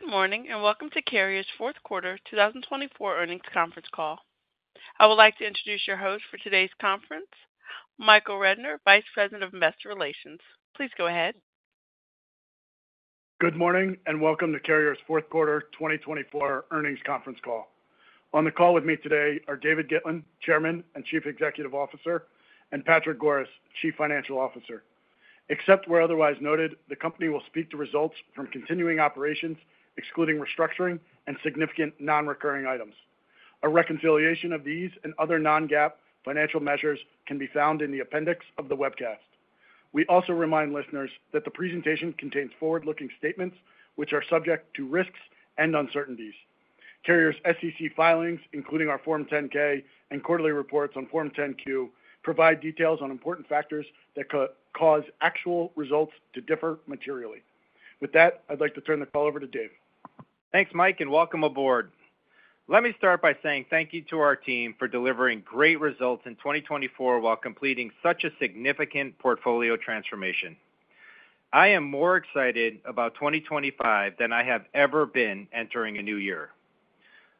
Good morning and welcome to Carrier's Fourth Quarter 2024 Earnings Conference Call. I would like to introduce your host for today's conference, Michael Rednor, Vice President of Investor Relations. Please go ahead. Good morning and welcome to Carrier's Fourth Quarter 2024 Earnings Conference Call. On the call with me today are David Gitlin, Chairman and Chief Executive Officer, and Patrick Goris, Chief Financial Officer. Except where otherwise noted, the company will speak to results from continuing operations, excluding restructuring and significant non-recurring items. A reconciliation of these and other non-GAAP financial measures can be found in the appendix of the webcast. We also remind listeners that the presentation contains forward-looking statements which are subject to risks and uncertainties. Carrier's SEC filings, including our Form 10-K and quarterly reports on Form 10-Q, provide details on important factors that could cause actual results to differ materially. With that, I'd like to turn the call over to Dave. Thanks, Mike, and welcome aboard. Let me start by saying thank you to our team for delivering great results in 2024 while completing such a significant portfolio transformation. I am more excited about 2025 than I have ever been entering a new year.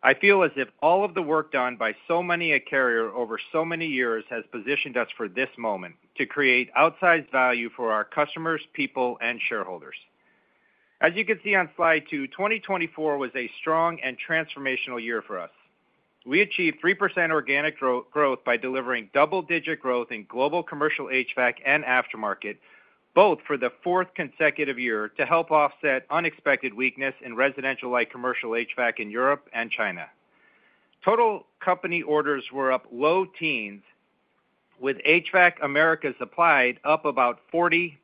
I feel as if all of the work done by so many at Carrier over so many years has positioned us for this moment to create outsized value for our customers, people, and shareholders. As you can see on slide two, 2024 was a strong and transformational year for us. We achieved 3% organic growth by delivering double-digit growth in global commercial HVAC and aftermarket, both for the fourth consecutive year, to help offset unexpected weakness in residential light commercial HVAC in Europe and China. Total company orders were up low teens, with HVAC Americas Applied up about 40%.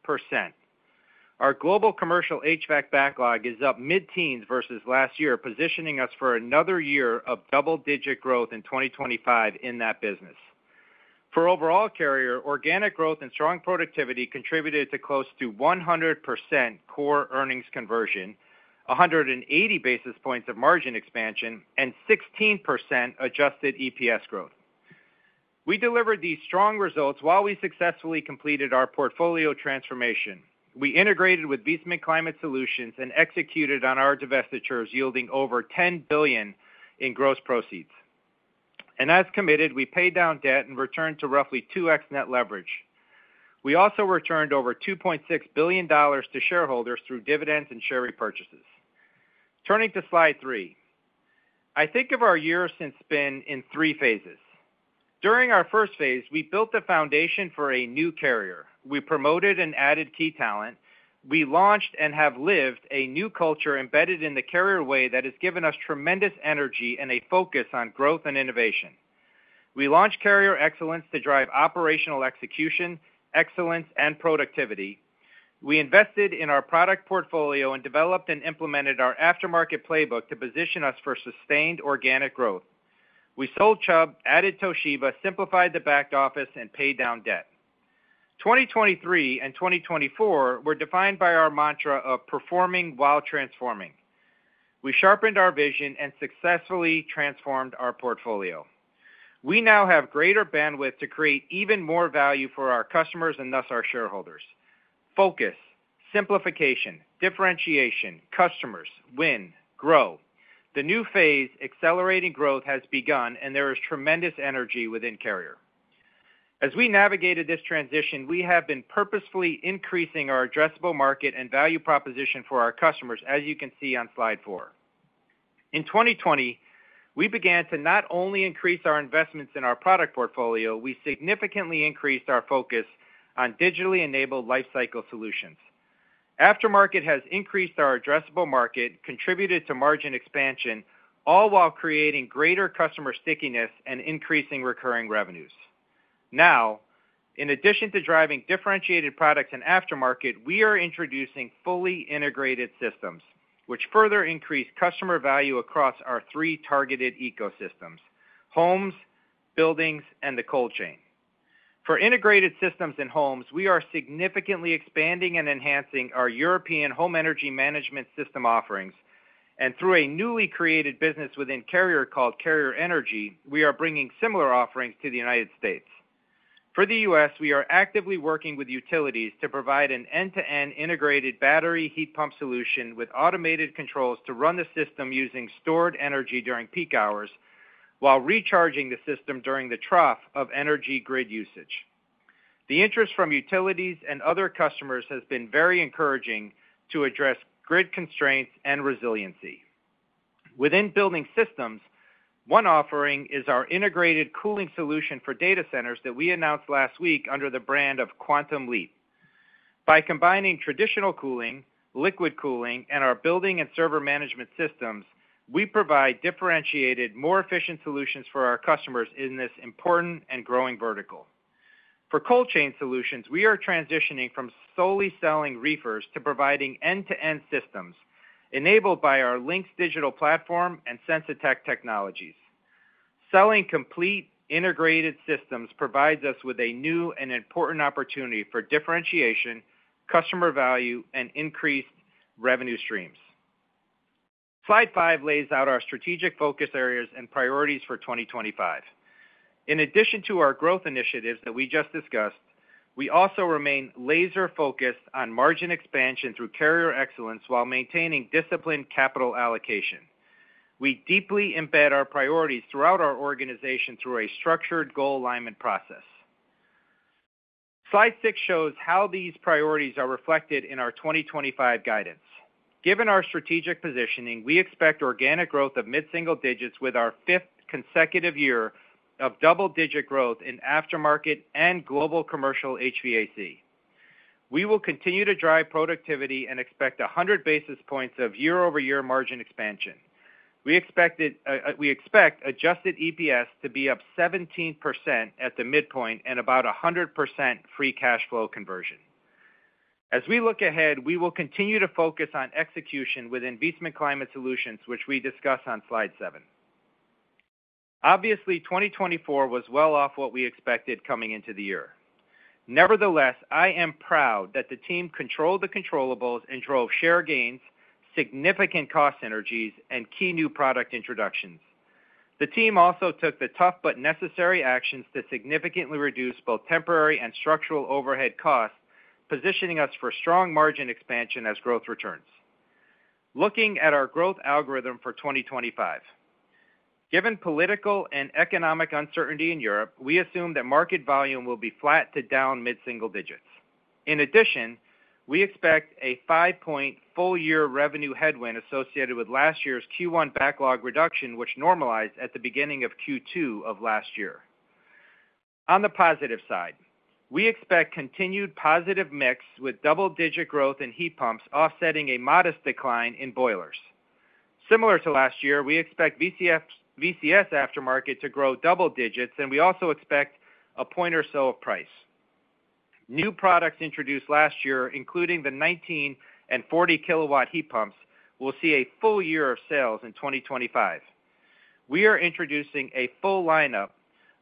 Our global commercial HVAC backlog is up mid-teens versus last year, positioning us for another year of double-digit growth in 2025 in that business. For overall Carrier, organic growth and strong productivity contributed to close to 100% core earnings conversion, 180 basis points of margin expansion, and 16% adjusted EPS growth. We delivered these strong results while we successfully completed our portfolio transformation. We integrated with Viessmann Climate Solutions and executed on our divestitures, yielding over $10 billion in gross proceeds. And as committed, we paid down debt and returned to roughly 2x net leverage. We also returned over $2.6 billion to shareholders through dividends and share repurchases. Turning to slide three, I think of our year as having been in three phases. During our first phase, we built the foundation for a new Carrier. We promoted and added key talent. We launched and have lived a new culture embedded in the Carrier Way that has given us tremendous energy and a focus on growth and innovation. We launched Carrier Excellence to drive operational execution, excellence, and productivity. We invested in our product portfolio and developed and implemented our aftermarket playbook to position us for sustained organic growth. We sold Chubb, added Toshiba, simplified the back office, and paid down debt. 2023 and 2024 were defined by our mantra of performing while transforming. We sharpened our vision and successfully transformed our portfolio. We now have greater bandwidth to create even more value for our customers and thus our shareholders. Focus, simplification, differentiation, customers, win, grow. The new phase, accelerating growth, has begun, and there is tremendous energy within Carrier. As we navigated this transition, we have been purposefully increasing our addressable market and value proposition for our customers, as you can see on slide four. In 2020, we began to not only increase our investments in our product portfolio, we significantly increased our focus on digitally enabled lifecycle solutions. Aftermarket has increased our addressable market, contributed to margin expansion, all while creating greater customer stickiness and increasing recurring revenues. Now, in addition to driving differentiated products and aftermarket, we are introducing fully integrated systems, which further increase customer value across our three targeted ecosystems: homes, buildings, and the cold chain. For integrated systems and homes, we are significantly expanding and enhancing our European home energy management system offerings. And through a newly created business within Carrier called Carrier Energy, we are bringing similar offerings to the United States. For the U.S., we are actively working with utilities to provide an end-to-end integrated battery heat pump solution with automated controls to run the system using stored energy during peak hours while recharging the system during the trough of energy grid usage. The interest from utilities and other customers has been very encouraging to address grid constraints and resiliency. Within building systems, one offering is our integrated cooling solution for data centers that we announced last week under the brand of Quantum Leap. By combining traditional cooling, liquid cooling, and our building and server management systems, we provide differentiated, more efficient solutions for our customers in this important and growing vertical. For cold chain solutions, we are transitioning from solely selling reefers to providing end-to-end systems enabled by our Lynx Digital platform and Sensitech technologies. Selling complete integrated systems provides us with a new and important opportunity for differentiation, customer value, and increased revenue streams. Slide five lays out our strategic focus areas and priorities for 2025. In addition to our growth initiatives that we just discussed, we also remain laser-focused on margin expansion through Carrier Excellence while maintaining disciplined capital allocation. We deeply embed our priorities throughout our organization through a structured goal alignment process. Slide six shows how these priorities are reflected in our 2025 guidance. Given our strategic positioning, we expect organic growth of mid-single digits with our fifth consecutive year of double-digit growth in aftermarket and global commercial HVAC. We will continue to drive productivity and expect 100 basis points of year-over-year margin expansion. We expect adjusted EPS to be up 17% at the midpoint and about 100% free cash flow conversion. As we look ahead, we will continue to focus on execution within Viessmann Climate Solutions, which we discuss on slide seven. Obviously, 2024 was well off what we expected coming into the year. Nevertheless, I am proud that the team controlled the controllables and drove share gains, significant cost synergies, and key new product introductions. The team also took the tough but necessary actions to significantly reduce both temporary and structural overhead costs, positioning us for strong margin expansion as growth returns. Looking at our growth algorithm for 2025, given political and economic uncertainty in Europe, we assume that market volume will be flat to down mid-single digits. In addition, we expect a 5-point full-year revenue headwind associated with last year's Q1 backlog reduction, which normalized at the beginning of Q2 of last year. On the positive side, we expect continued positive mix with double-digit growth in heat pumps, offsetting a modest decline in boilers. Similar to last year, we expect VCS aftermarket to grow double digits, and we also expect a point or so of price. New products introduced last year, including the 19 and 40-kW heat pumps, will see a full year of sales in 2025. We are introducing a full lineup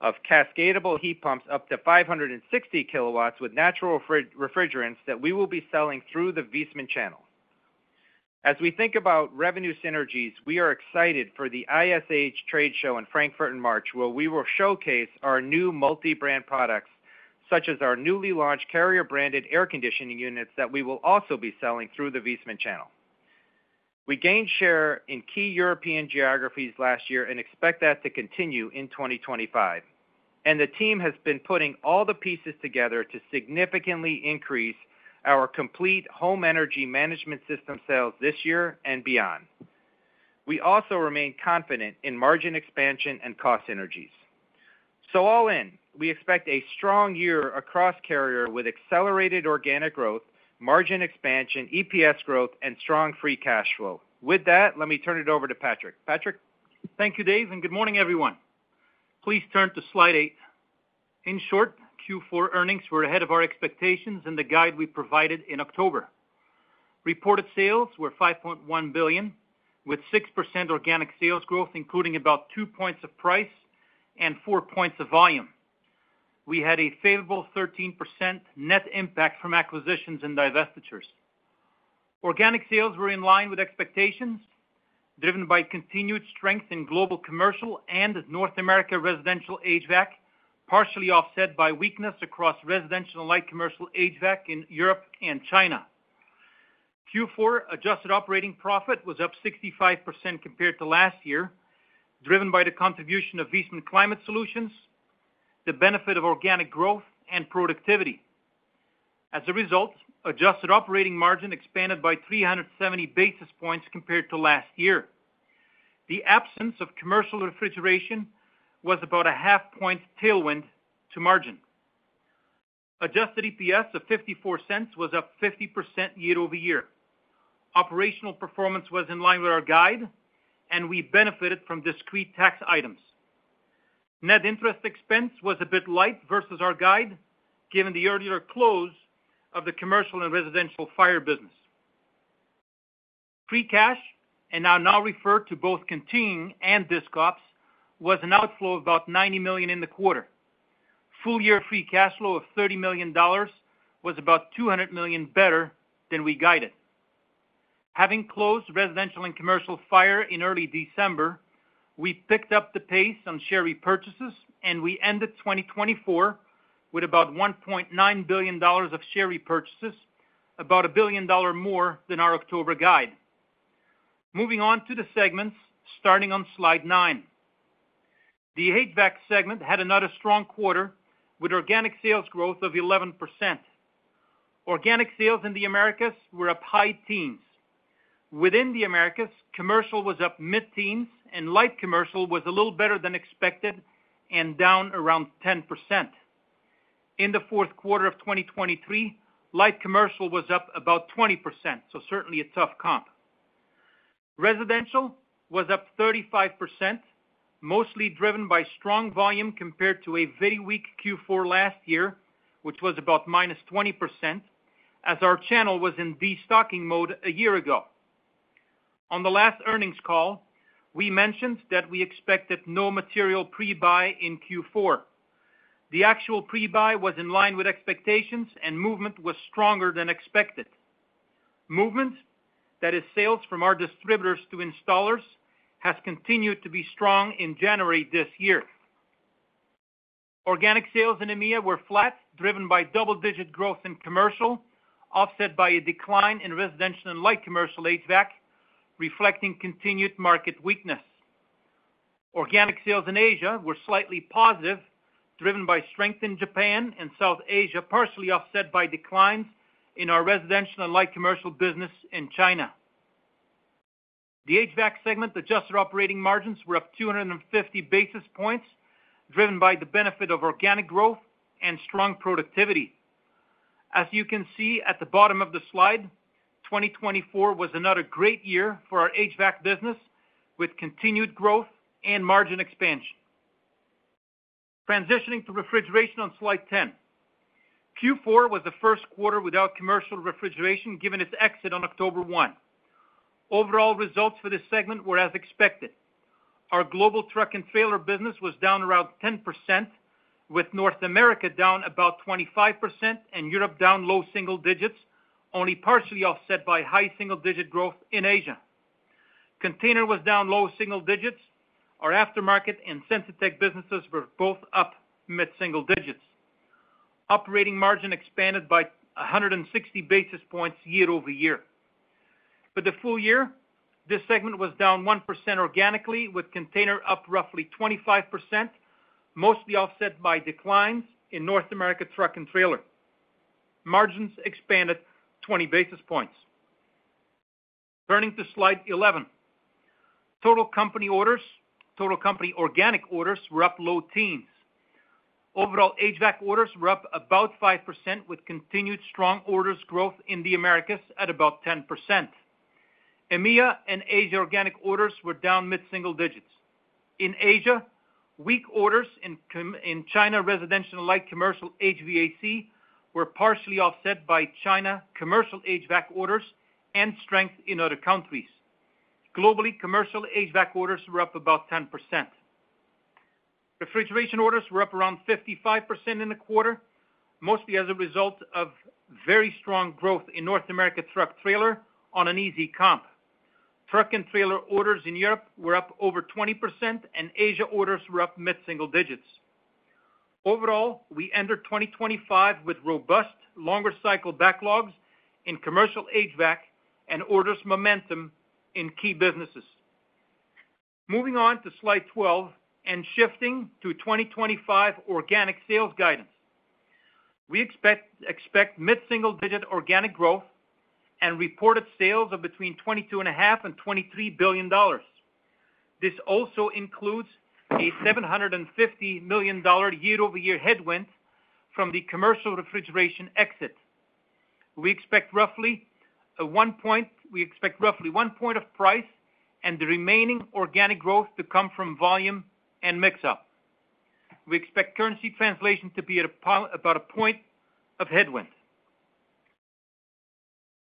of cascadable heat pumps up to 560 kW with natural refrigerants that we will be selling through the Viessmann channel. As we think about revenue synergies, we are excited for the ISH trade show in Frankfurt in March, where we will showcase our new multi-brand products, such as our newly launched Carrier-branded air conditioning units that we will also be selling through the Viessmann channel. We gained share in key European geographies last year and expect that to continue in 2025. And the team has been putting all the pieces together to significantly increase our complete home energy management system sales this year and beyond. We also remain confident in margin expansion and cost synergies. So all in, we expect a strong year across Carrier with accelerated organic growth, margin expansion, EPS growth, and strong free cash flow. With that, let me turn it over to Patrick. Patrick. Thank you, Dave, and good morning, everyone. Please turn to slide eight. In short, Q4 earnings were ahead of our expectations in the guide we provided in October. Reported sales were $5.1 billion, with 6% organic sales growth, including about 2 points of price and 4 points of volume. We had a favorable 13% net impact from acquisitions and divestitures. Organic sales were in line with expectations, driven by continued strength in global commercial and North America residential HVAC, partially offset by weakness across residential and light commercial HVAC in Europe and China. Q4 adjusted operating profit was up 65% compared to last year, driven by the contribution of Viessmann Climate Solutions, the benefit of organic growth, and productivity. As a result, adjusted operating margin expanded by 370 basis points compared to last year. The absence of commercial refrigeration was about a half-point tailwind to margin. Adjusted EPS of $0.54 was up 50% year-over-year. Operational performance was in line with our guide, and we benefited from discrete tax items. Net interest expense was a bit light versus our guide, given the earlier close of the commercial and residential fire business. Free cash, and I now refer to both continuing and discontinued ops, was an outflow of about $90 million in the quarter. Full-year free cash flow of $30 million was about $200 million better than we guided. Having closed residential and commercial fire in early December, we picked up the pace on share repurchases, and we ended 2024 with about $1.9 billion of share repurchases, about a billion dollars more than our October guide. Moving on to the segments, starting on slide nine. The HVAC segment had another strong quarter with organic sales growth of 11%. Organic sales in the Americas were up high teens. Within the Americas, commercial was up mid-teens, and light commercial was a little better than expected and down around 10%. In the fourth quarter of 2023, light commercial was up about 20%, so certainly a tough comp. Residential was up 35%, mostly driven by strong volume compared to a very weak Q4 last year, which was about minus 20%, as our channel was in destocking mode a year ago. On the last earnings call, we mentioned that we expected no material pre-buy in Q4. The actual pre-buy was in line with expectations, and movement was stronger than expected. Movement, that is, sales from our distributors to installers, has continued to be strong in January this year. Organic sales in EMEA were flat, driven by double-digit growth in commercial, offset by a decline in residential and light commercial HVAC, reflecting continued market weakness. Organic sales in Asia were slightly positive, driven by strength in Japan and South Asia, partially offset by declines in our residential and light commercial business in China. The HVAC segment adjusted operating margins were up 250 basis points, driven by the benefit of organic growth and strong productivity. As you can see at the bottom of the slide, 2024 was another great year for our HVAC business, with continued growth and margin expansion. Transitioning to refrigeration on slide 10. Q4 was the first quarter without commercial refrigeration, given its exit on October 1. Overall results for this segment were as expected. Our global truck and trailer business was down around 10%, with North America down about 25% and Europe down low single digits, only partially offset by high single-digit growth in Asia. Container was down low single digits. Our aftermarket and Sensitech businesses were both up mid-single digits. Operating margin expanded by 160 basis points year-over-year. For the full year, this segment was down 1% organically, with container up roughly 25%, mostly offset by declines in North America truck and trailer. Margins expanded 20 basis points. Turning to Slide 11. Total company orders, total company organic orders were up low teens. Overall HVAC orders were up about 5%, with continued strong orders growth in the Americas at about 10%. EMEA and Asia organic orders were down mid-single digits. In Asia, weak orders in China residential and light commercial HVAC were partially offset by China commercial HVAC orders and strength in other countries. Globally, commercial HVAC orders were up about 10%. Refrigeration orders were up around 55% in the quarter, mostly as a result of very strong growth in North America truck trailer on an easy comp. Truck and trailer orders in Europe were up over 20%, and Asia orders were up mid-single digits. Overall, we entered 2025 with robust, longer-cycle backlogs in commercial HVAC and orders momentum in key businesses. Moving on to slide 12 and shifting to 2025 organic sales guidance. We expect mid-single digit organic growth and reported sales of between $22.5-$23 billion. This also includes a $750 million year-over-year headwind from the commercial refrigeration exit. We expect roughly one point of price and the remaining organic growth to come from volume and mix-up. We expect currency translation to be at about a point of headwind.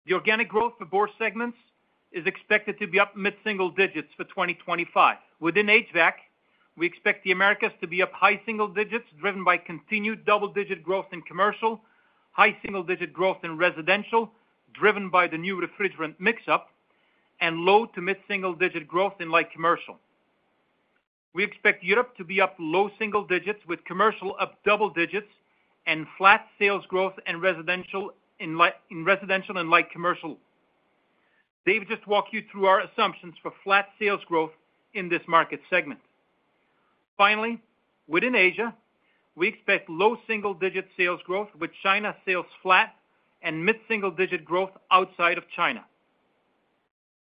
The organic growth for both segments is expected to be up mid-single digits for 2025. Within HVAC, we expect the Americas to be up high single digits, driven by continued double-digit growth in commercial, high single-digit growth in residential, driven by the new refrigerant mix-up, and low to mid-single digit growth in light commercial. We expect Europe to be up low single digits, with commercial up double digits and flat sales growth in residential and light commercial. David just walked you through our assumptions for flat sales growth in this market segment. Finally, within Asia, we expect low single-digit sales growth, with China sales flat and mid-single digit growth outside of China.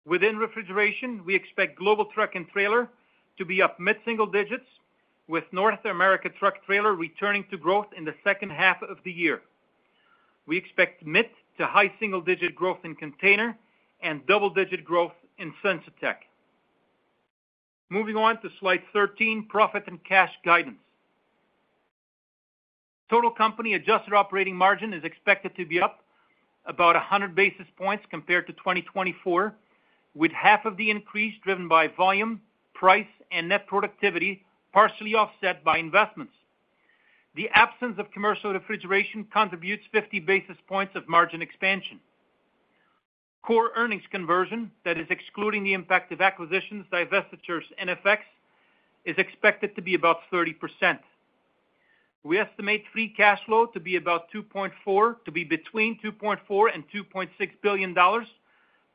Within refrigeration, we expect global truck and trailer to be up mid-single digits, with North America truck trailer returning to growth in the second half of the year. We expect mid to high single-digit growth in container and double-digit growth in Sensitech. Moving on to slide 13, profit and cash guidance. Total company adjusted operating margin is expected to be up about 100 basis points compared to 2024, with half of the increase driven by volume, price, and net productivity, partially offset by investments. The absence of commercial refrigeration contributes 50 basis points of margin expansion. Core earnings conversion, that is, excluding the impact of acquisitions, divestitures, and effects, is expected to be about 30%. We estimate free cash flow to be between $2.4 and $2.6 billion,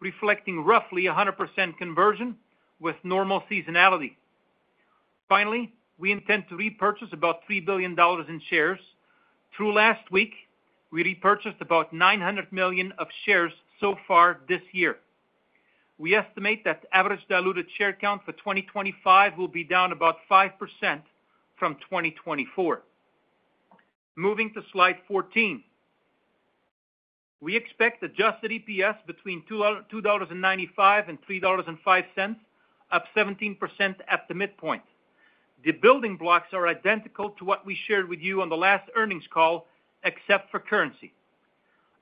reflecting roughly 100% conversion with normal seasonality. Finally, we intend to repurchase about $3 billion in shares. Through last week, we repurchased about 900 million of shares so far this year. We estimate that average diluted share count for 2025 will be down about 5% from 2024. Moving to slide 14. We expect adjusted EPS between $2.95 and $3.05, up 17% at the midpoint. The building blocks are identical to what we shared with you on the last earnings call, except for currency.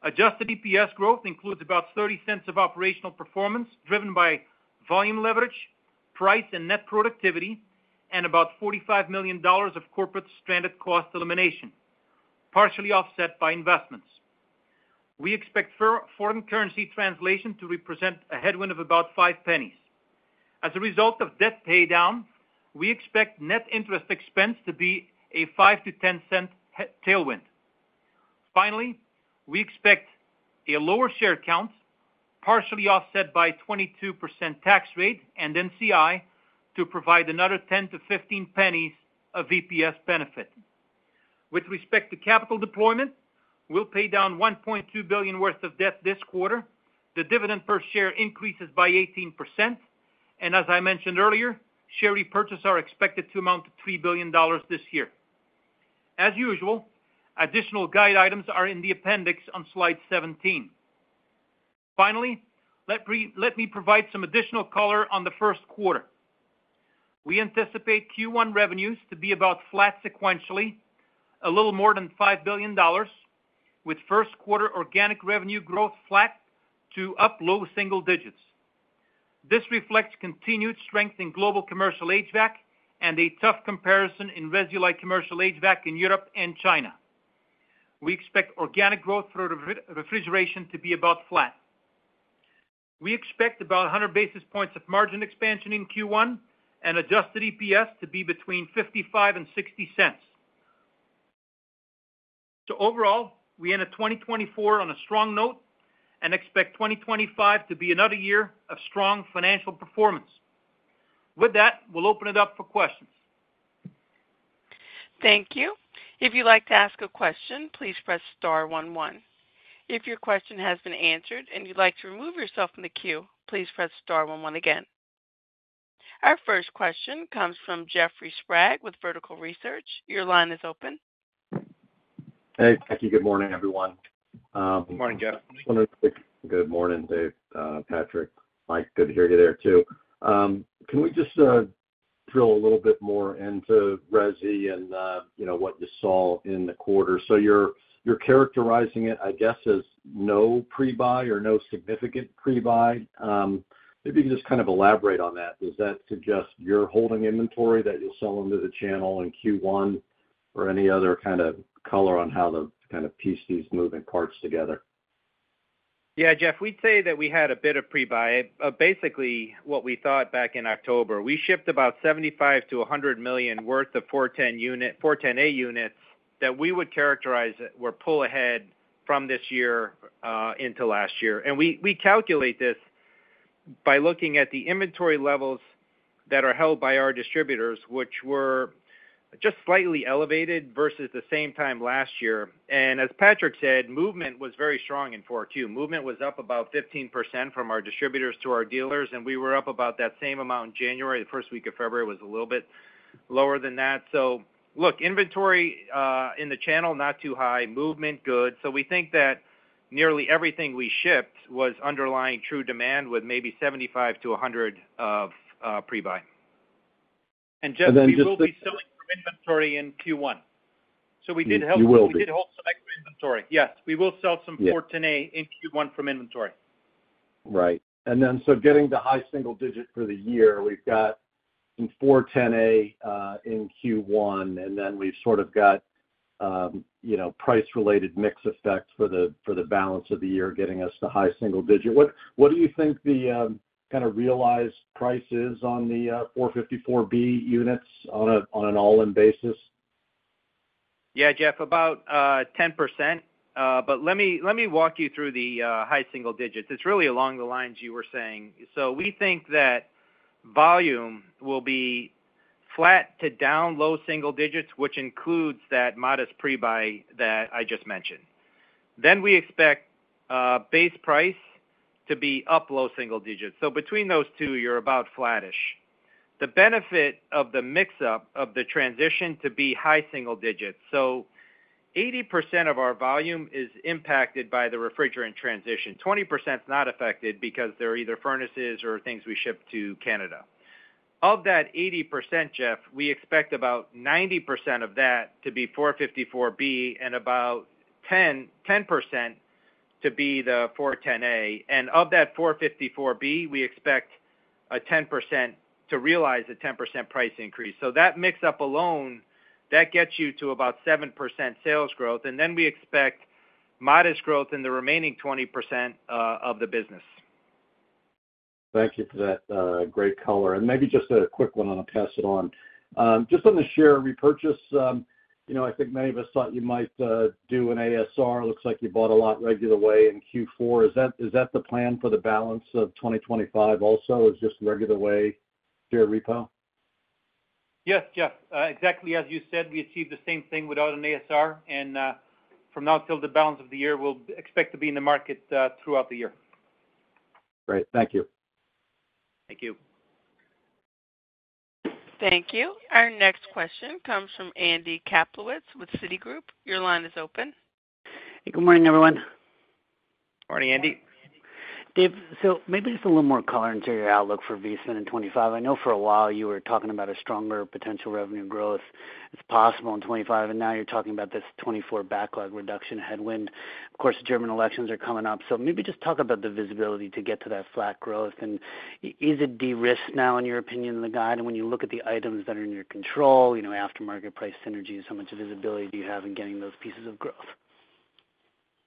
Adjusted EPS growth includes about $0.30 of operational performance, driven by volume leverage, price and net productivity, and about $45 million of corporate stranded cost elimination, partially offset by investments. We expect foreign currency translation to represent a headwind of about $0.05. As a result of debt pay down, we expect net interest expense to be a $0.05- to $0.10 tailwind. Finally, we expect a lower share count, partially offset by 22% tax rate and NCI to provide another $0.10- to $0.15 of EPS benefit. With respect to capital deployment, we'll pay down $1.2 billion worth of debt this quarter. The dividend per share increases by 18%, and as I mentioned earlier, share repurchase is expected to amount to $3 billion this year. As usual, additional guide items are in the appendix on slide 17. Finally, let me provide some additional color on the first quarter. We anticipate Q1 revenues to be about flat sequentially, a little more than $5 billion, with first quarter organic revenue growth flat to up low single digits. This reflects continued strength in global commercial HVAC and a tough comparison in resi-like commercial HVAC in Europe and China. We expect organic growth for refrigeration to be about flat. We expect about 100 basis points of margin expansion in Q1 and adjusted EPS to be between $0.55 and $0.60. So overall, we ended 2024 on a strong note and expect 2025 to be another year of strong financial performance. With that, we'll open it up for questions. Thank you. If you'd like to ask a question, please press star 11. If your question has been answered and you'd like to remove yourself from the queue, please press star 11 again. Our first question comes from Jeffrey Sprague with Vertical Research. Your line is open. Hey, thank you. Good morning, everyone. Good morning, Jeff. Good morning, David, Patrick. Mike, good to hear you there too. Can we just drill a little bit more into resi and what you saw in the quarter? So you're characterizing it, I guess, as no pre-buy or no significant pre-buy. If you could just kind of elaborate on that, does that suggest you're holding inventory that you'll sell into the channel in Q1 or any other kind of color on how to kind of piece these moving parts together? Yeah, Jeff, we'd say that we had a bit of pre-buy. Basically, what we thought back in October, we shipped about $75-$100 million worth of 410A units that we would characterize were pull ahead from this year into last year. And we calculate this by looking at the inventory levels that are held by our distributors, which were just slightly elevated versus the same time last year. And as Patrick said, movement was very strong in Q4. Movement was up about 15% from our distributors to our dealers, and we were up about that same amount in January. The first week of February was a little bit lower than that. So look, inventory in the channel, not too high. Movement good. So we think that nearly everything we shipped was underlying true demand with maybe $75-$100 million of pre-buy. Jeff, we will be selling from inventory in Q1, so we did hold some extra inventory. Yes, we will sell some 410A in Q1 from inventory. Right. And then, so getting the high single digit for the year, we've got some 410A in Q1, and then we've sort of got price-related mix effect for the balance of the year getting us the high single digit. What do you think the kind of realized price is on the 454B units on an all-in basis? Yeah, Jeff, about 10%. But let me walk you through the high single digits. It's really along the lines you were saying. So we think that volume will be flat to down low single digits, which includes that modest pre-buy that I just mentioned. Then we expect base price to be up low single digits. So between those two, you're about flattish. The benefit of the mix shift of the transition to be high single digits. So 80% of our volume is impacted by the refrigerant transition. 20% is not affected because there are either furnaces or things we ship to Canada. Of that 80%, Jeff, we expect about 90% of that to be 454B and about 10% to be the 410A. And of that 454B, we expect a 10% to realize a 10% price increase. So that mix shift alone, that gets you to about 7% sales growth. We expect modest growth in the remaining 20% of the business. Thank you for that great color. And maybe just a quick one, and I'll pass it on. Just on the share repurchase, I think many of us thought you might do an ASR. Looks like you bought a lot regular way in Q4. Is that the plan for the balance of 2025 also, is just regular way share repo? Yes, Jeff. Exactly as you said, we achieved the same thing without an ASR. And from now until the balance of the year, we'll expect to be in the market throughout the year. Great. Thank you. Thank you. Thank you. Our next question comes from Andy Kaplowitz with Citigroup. Your line is open. Good morning, everyone. Morning, Andy. Dave, so maybe just a little more color into your outlook for VCIN in 2025. I know for a while you were talking about a stronger potential revenue growth as possible in 2025, and now you're talking about this 2024 backlog reduction headwind. Of course, the German elections are coming up. So maybe just talk about the visibility to get to that flat growth. And is it de-risked now, in your opinion, in the guide? And when you look at the items that are in your control, aftermarket price synergy, how much visibility do you have in getting those pieces of growth?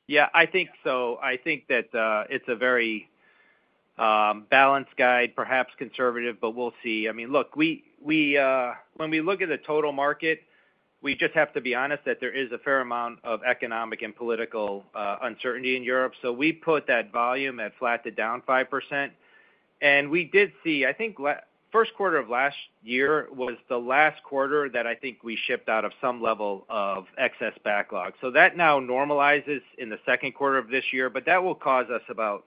Yeah, I think so. I think that it's a very balanced guide, perhaps conservative, but we'll see. I mean, look, when we look at the total market, we just have to be honest that there is a fair amount of economic and political uncertainty in Europe. So we put that volume at flat to down 5%. And we did see, I think first quarter of last year was the last quarter that I think we shipped out of some level of excess backlog. So that now normalizes in the second quarter of this year, but that will cause us about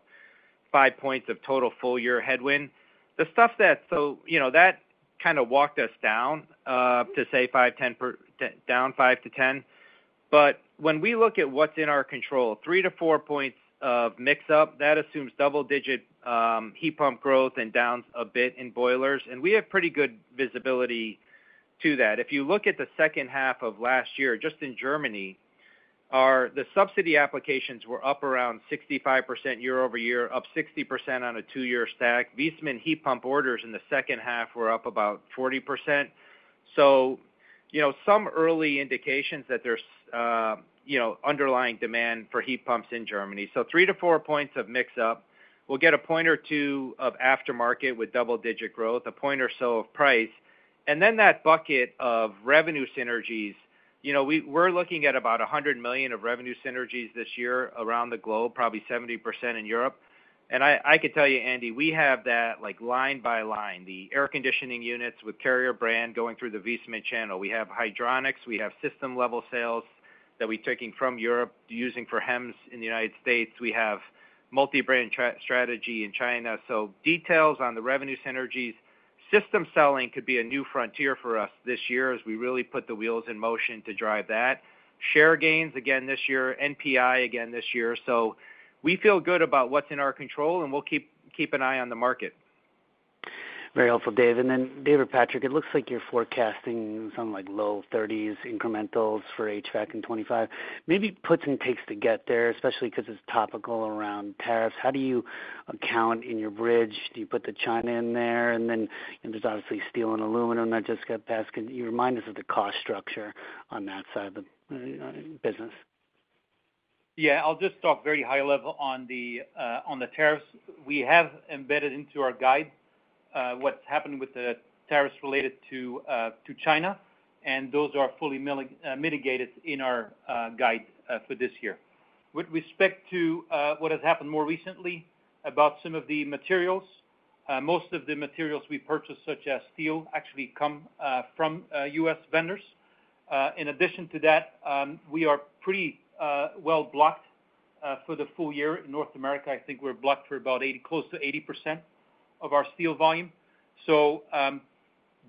five points of total full year headwind. The stuff that, so that kind of walked us down to say 5-10%, down 5%-10%. But when we look at what's in our control, three to four points of mix-up, that assumes double-digit heat pump growth and downs a bit in boilers. And we have pretty good visibility to that. If you look at the second half of last year, just in Germany, the subsidy applications were up around 65% year over year, up 60% on a two-year stack. VCIN heat pump orders in the second half were up about 40%. So some early indications that there's underlying demand for heat pumps in Germany. So three to four points of mix-up. We'll get a point or two of aftermarket with double-digit growth, a point or so of price. And then that bucket of revenue synergies, we're looking at about $100 million of revenue synergies this year around the globe, probably 70% in Europe. I can tell you, Andy, we have that line by line, the air conditioning units with Carrier brand going through the VCIN channel. We have hydronics. We have system-level sales that we're taking from Europe using for HEMS in the United States. We have multi-brand strategy in China. So details on the revenue synergies. System selling could be a new frontier for us this year as we really put the wheels in motion to drive that. Share gains again this year, NPI again this year. So we feel good about what's in our control, and we'll keep an eye on the market. Very helpful, Dave. And then, Dave and Patrick, it looks like you're forecasting something like low 30s incrementals for HVAC in 2025. Maybe puts and takes to get there, especially because it's topical around tariffs. How do you account in your bridge? Do you put the China in there? And then there's obviously steel and aluminum that just got passed. Can you remind us of the cost structure on that side of the business? Yeah, I'll just talk very high level on the tariffs. We have embedded into our guide what's happened with the tariffs related to China, and those are fully mitigated in our guide for this year. With respect to what has happened more recently about some of the materials, most of the materials we purchase, such as steel, actually come from U.S. vendors. In addition to that, we are pretty well blocked for the full year. In North America, I think we're blocked for about close to 80% of our steel volume. So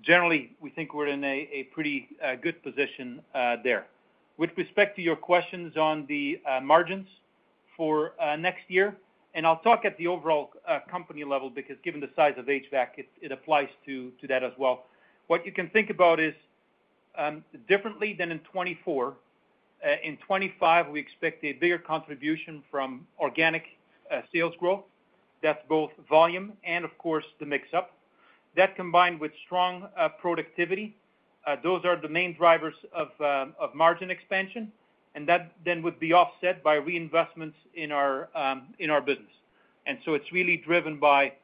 generally, we think we're in a pretty good position there. With respect to your questions on the margins for next year, and I'll talk at the overall company level because given the size of HVAC, it applies to that as well. What you can think about is differently than in 2024. In 2025, we expect a bigger contribution from organic sales growth. That's both volume and, of course, the mix. That combined with strong productivity, those are the main drivers of margin expansion, and that then would be offset by reinvestments in our business. And so it's really driven by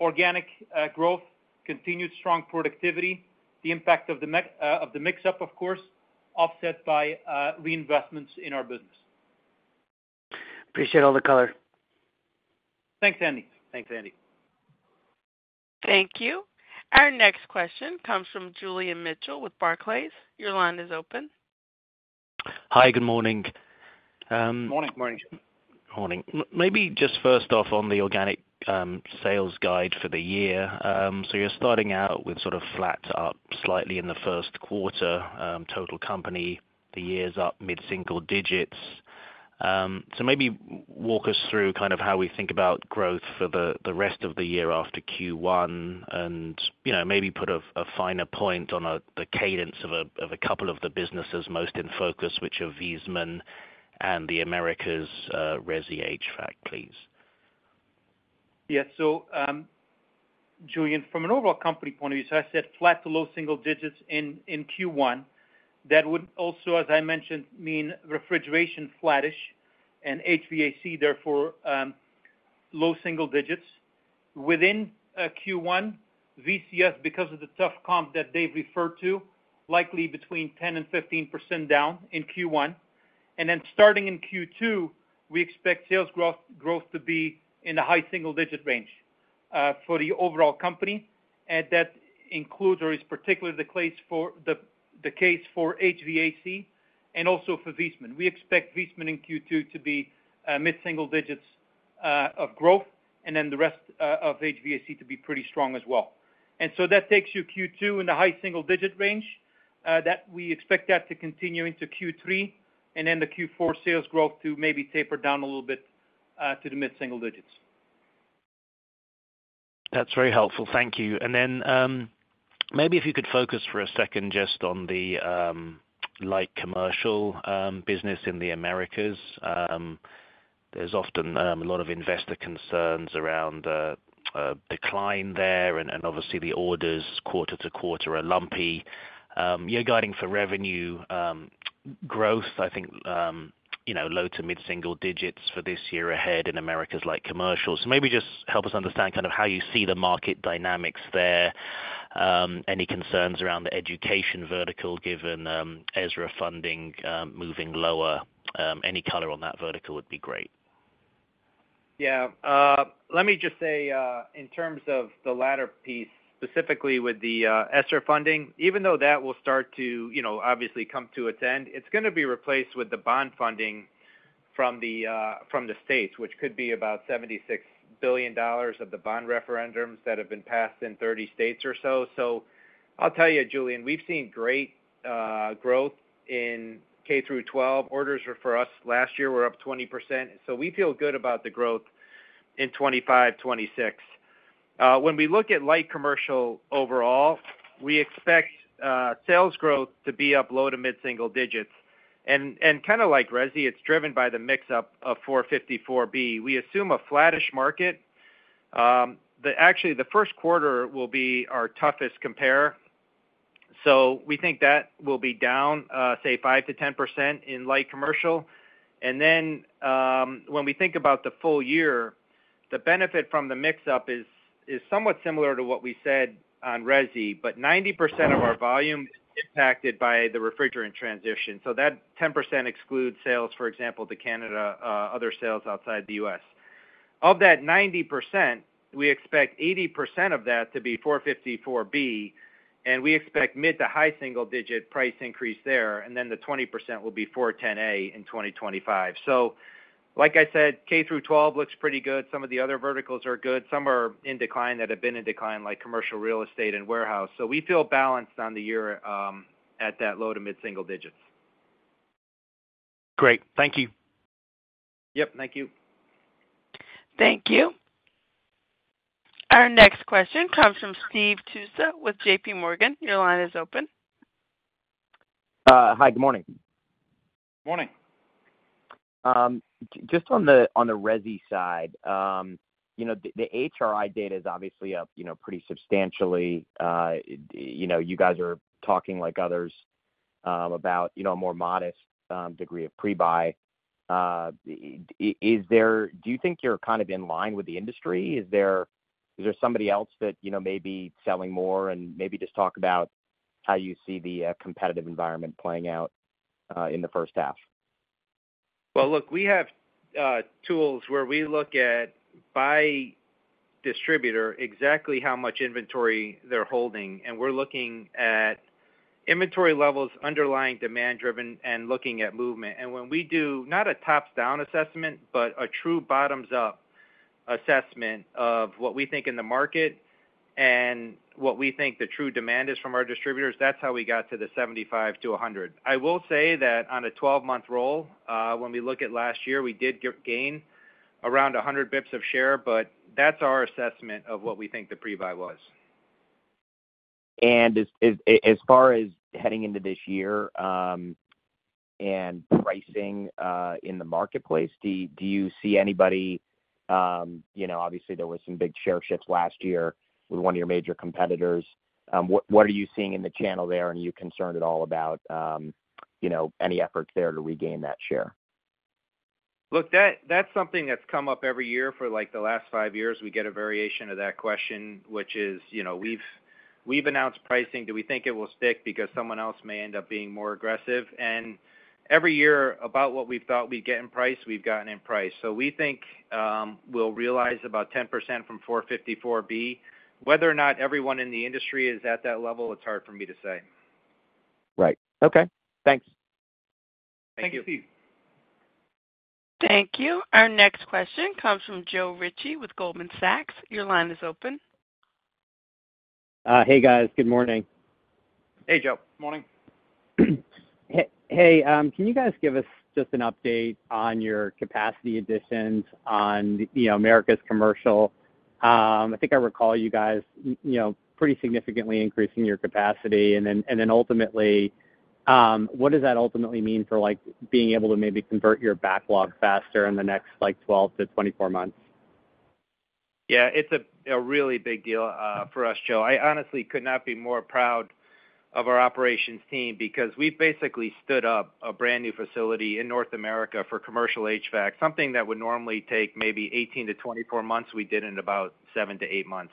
organic growth, continued strong productivity, the impact of the mix, of course, offset by reinvestments in our business. Appreciate all the color. Thanks, Andy. Thanks, Andy. Thank you. Our next question comes from Julian Mitchell with Barclays. Your line is open. Hi, good morning. Good morning. Morning. Morning. Maybe just first off on the organic sales guide for the year. So you're starting out with sort of flat up slightly in the first quarter, total company. The year's up mid-single digits. So maybe walk us through kind of how we think about growth for the rest of the year after Q1 and maybe put a finer point on the cadence of a couple of the businesses most in focus, which are VCIN and the Americas resi HVAC, please. Yeah. So Julian, from an overall company point of view, so I said flat to low single digits in Q1. That would also, as I mentioned, mean refrigeration flattish and HVAC, therefore low single digits. Within Q1, VCS, because of the tough comp that they've referred to, likely between 10% and 15% down in Q1. And then starting in Q2, we expect sales growth to be in the high single-digit range for the overall company. And that includes or is particularly the case for HVAC and also for VCIN. We expect VCIN in Q2 to be mid-single digits of growth and then the rest of HVAC to be pretty strong as well. And so that takes you Q2 in the high single-digit range. We expect that to continue into Q3 and then the Q4 sales growth to maybe taper down a little bit to the mid-single digits. That's very helpful. Thank you. And then maybe if you could focus for a second just on the light commercial business in the Americas. There's often a lot of investor concerns around decline there and obviously the orders quarter to quarter are lumpy. You're guiding for revenue growth, I think low to mid-single digits for this year ahead in Americas light commercial. So maybe just help us understand kind of how you see the market dynamics there. Any concerns around the education vertical given ESSER funding moving lower? Any color on that vertical would be great. Yeah. Let me just say in terms of the latter piece, specifically with the ESSER funding, even though that will start to obviously come to its end, it's going to be replaced with the bond funding from the states, which could be about $76 billion of the bond referendums that have been passed in 30 states or so. So I'll tell you, Julian, we've seen great growth in K through 12. Orders for us last year were up 20%. So we feel good about the growth in 2025, 2026. When we look at light commercial overall, we expect sales growth to be up low to mid-single digits. And kind of like resi, it's driven by the mix-up of 454B. We assume a flattish market. Actually, the first quarter will be our toughest compare. So we think that will be down, say, 5% to 10% in light commercial. And then when we think about the full year, the benefit from the mix-up is somewhat similar to what we said on resi, but 90% of our volume is impacted by the refrigerant transition. So that 10% excludes sales, for example, to Canada, other sales outside the US. Of that 90%, we expect 80% of that to be 454B, and we expect mid- to high-single-digit price increase there. And then the 20% will be 410A in 2025. So like I said, K through 12 looks pretty good. Some of the verticals are good. Some are in decline that have been in decline, like commercial real estate and warehouse. So we feel balanced on the year at that low- to mid-single digits. Great. Thank you. Yep. Thank you. Thank you. Our next question comes from Steve Tusa with JPMorgan. Your line is open. Hi. Good morning. Morning. Just on the resi side, the HRI data is obviously up pretty substantially. You guys are talking like others about a more modest degree of pre-buy. Do you think you're kind of in line with the industry? Is there somebody else that may be selling more and maybe just talk about how you see the competitive environment playing out in the first half? Look, we have tools where we look at by distributor exactly how much inventory they're holding. We're looking at inventory levels, underlying demand driven, and looking at movement. When we do not a tops-down assessment, but a true bottoms-up assessment of what we think in the market and what we think the true demand is from our distributors, that's how we got to the 75-100. I will say that on a 12-month roll, when we look at last year, we did gain around 100 basis points of share, but that's our assessment of what we think the pre-buy was. And as far as heading into this year and pricing in the marketplace, do you see anybody? Obviously, there were some big share shifts last year with one of your major competitors. What are you seeing in the channel there, and are you concerned at all about any efforts there to regain that share? Look, that's something that's come up every year for the last five years. We get a variation of that question, which is we've announced pricing. Do we think it will stick because someone else may end up being more aggressive? And every year, about what we've thought we'd get in price, we've gotten in price. So we think we'll realize about 10% from 454B. Whether or not everyone in the industry is at that level, it's hard for me to say. Right. Okay. Thanks. Thank you. Thanks, Steve. Thank you. Our next question comes from Joe Ritchie with Goldman Sachs. Your line is open. Hey, guys. Good morning. Hey, Joe. Good morning. Hey. Can you guys give us just an update on your capacity additions on Americas commercial? I think I recall you guys pretty significantly increasing your capacity, and then ultimately, what does that ultimately mean for being able to maybe convert your backlog faster in the next 12-24 months? Yeah. It's a really big deal for us, Joe. I honestly could not be more proud of our operations team because we've basically stood up a brand new facility in North America for commercial HVAC. Something that would normally take maybe 18-24 months, we did in about seven to eight months.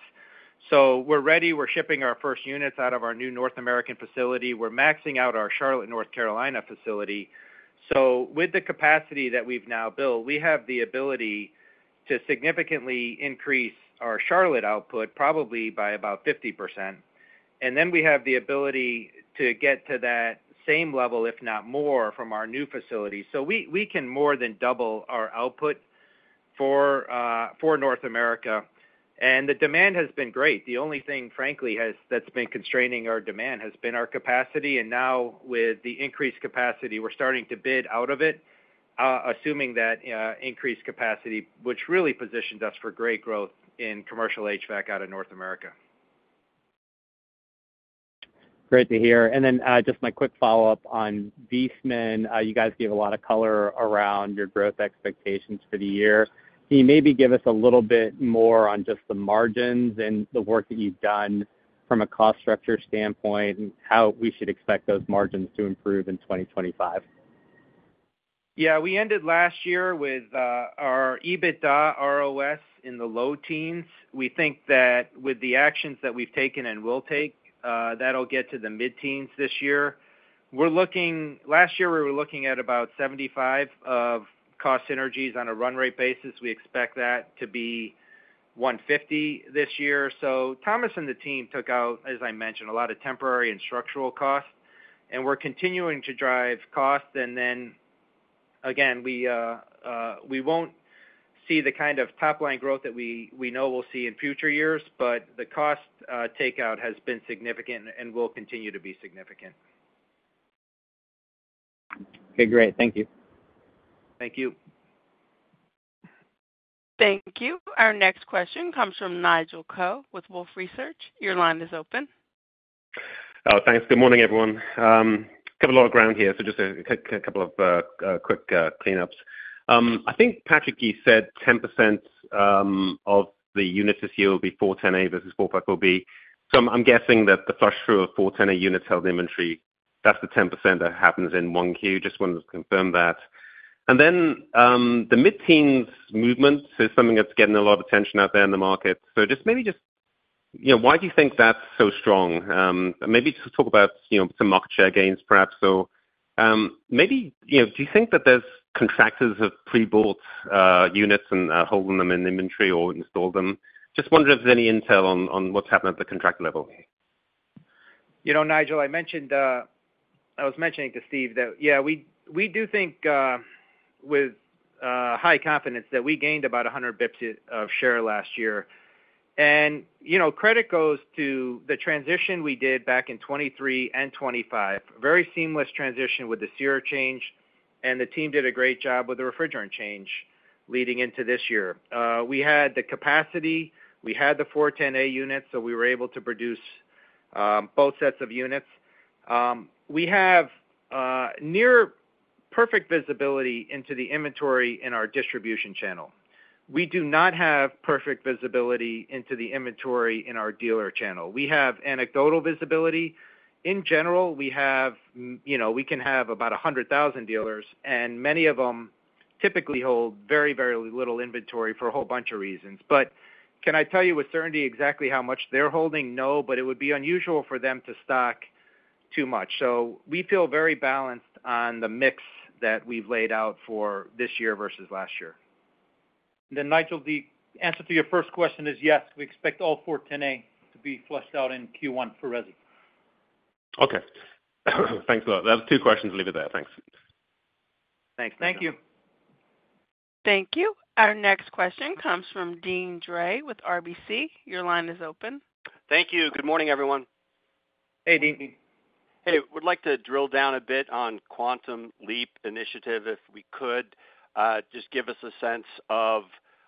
So we're ready. We're shipping our first units out of our new North American facility. We're maxing out our Charlotte, North Carolina facility. So with the capacity that we've now built, we have the ability to significantly increase our Charlotte output probably by about 50%. And then we have the ability to get to that same level, if not more, from our new facility. So we can more than double our output for North America. And the demand has been great. The only thing, frankly, that's been constraining our demand has been our capacity. Now with the increased capacity, we're starting to bid out of it, assuming that increased capacity, which really positions us for great growth in commercial HVAC out of North America. Great to hear, and then just my quick follow-up on VCIN. You guys gave a lot of color around your growth expectations for the year. Can you maybe give us a little bit more on just the margins and the work that you've done from a cost structure standpoint and how we should expect those margins to improve in 2025? Yeah. We ended last year with our EBITDA ROS in the low teens. We think that with the actions that we've taken and will take, that'll get to the mid-teens this year. Last year, we were looking at about $75 million of cost synergies on a run rate basis. We expect that to be $150 million this year. So Thomas and the team took out, as I mentioned, a lot of temporary and structural costs. And we're continuing to drive costs. And then, again, we won't see the kind of top-line growth that we know we'll see in future years, but the cost takeout has been significant and will continue to be significant. Okay. Great. Thank you. Thank you. Thank you. Our next question comes from Nigel Coe with Wolfe Research. Your line is open. Oh, thanks. Good morning, everyone. Got a lot of ground here, so just a couple of quick cleanups. I think Patrick, you said 10% of the units this year will be 410A versus 454B. So I'm guessing that the flush through of 410A units held inventory, that's the 10% that happens in Q1. Just wanted to confirm that. And then the mid-teens movement is something that's getting a lot of attention out there in the market. So maybe just why do you think that's so strong? Maybe just talk about some market share gains, perhaps. So maybe do you think that there's contractors that have pre-bought units and are holding them in inventory or installed them? Just wondering if there's any intel on what's happened at the contract level. Nigel, I was mentioning to Steve that, yeah, we do think with high confidence that we gained about 100 basis points of share last year. Credit goes to the transition we did back in 2023 and 2025. Very seamless transition with the chiller change. The team did a great job with the refrigerant change leading into this year. We had the capacity. We had the 410A units, so we were able to produce both sets of units. We have near perfect visibility into the inventory in our distribution channel. We do not have perfect visibility into the inventory in our dealer channel. We have anecdotal visibility. In general, we can have about 100,000 dealers, and many of them typically hold very, very little inventory for a whole bunch of reasons. But can I tell you with certainty exactly how much they're holding? No, but it would be unusual for them to stock too much. So we feel very balanced on the mix that we've laid out for this year versus last year. And then Nigel, the answer to your first question is yes. We expect all 410A to be flushed out in Q1 for resi. Okay. Thanks, Bill. That was two questions. Leave it there. Thanks. Thanks. Thank you. Thank you. Our next question comes from Dean Dray with RBC. Your line is open. Thank you. Good morning, everyone. Hey, Dean. Hey. We'd like to drill down a bit on Quantum Leap Initiative, if we could. Just give us a sense of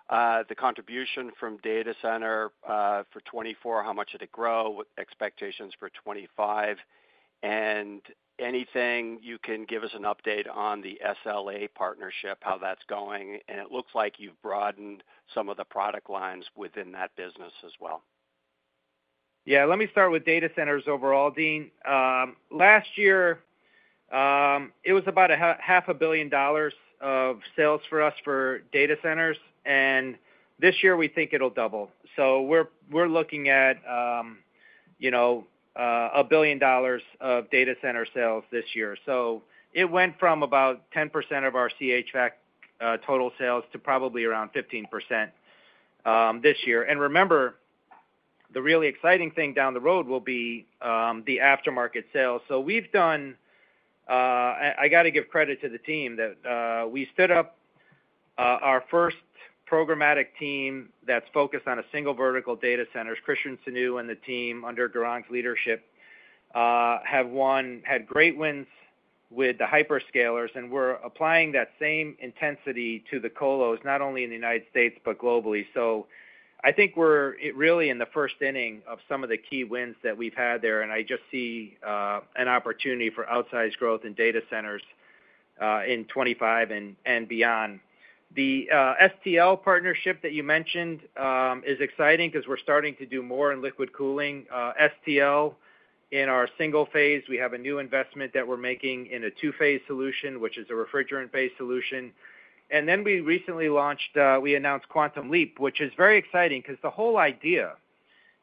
the contribution from data center for 2024, how much did it grow, what expectations for 2025, and anything you can give us an update on the STL partnership, how that's going. And it looks like you've broadened some of the product lines within that business as well. Yeah. Let me start with data centers overall, Dean. Last year, it was about $500 million of sales for us for data centers. And this year, we think it'll double. So we're looking at $1 billion of data center sales this year. So it went from about 10% of our CHVAC total sales to probably around 15% this year. And remember, the really exciting thing down the road will be the aftermarket sales. So we've done - I got to give credit to the team - that we stood up our first programmatic team that's focused on a single vertical data centers. Christian Sen and the team under Gaurang's leadership have had great wins with the hyperscalers, and we're applying that same intensity to the colos, not only in the United States but globally. I think we're really in the first inning of some of the key wins that we've had there. I just see an opportunity for outsized growth in data centers in 2025 and beyond. The STL partnership that you mentioned is exciting because we're starting to do more in liquid cooling. STL in our single phase. We have a new investment that we're making in a two-phase solution, which is a refrigerant-based solution. We recently launched, we announced Quantum Leap, which is very exciting because the whole idea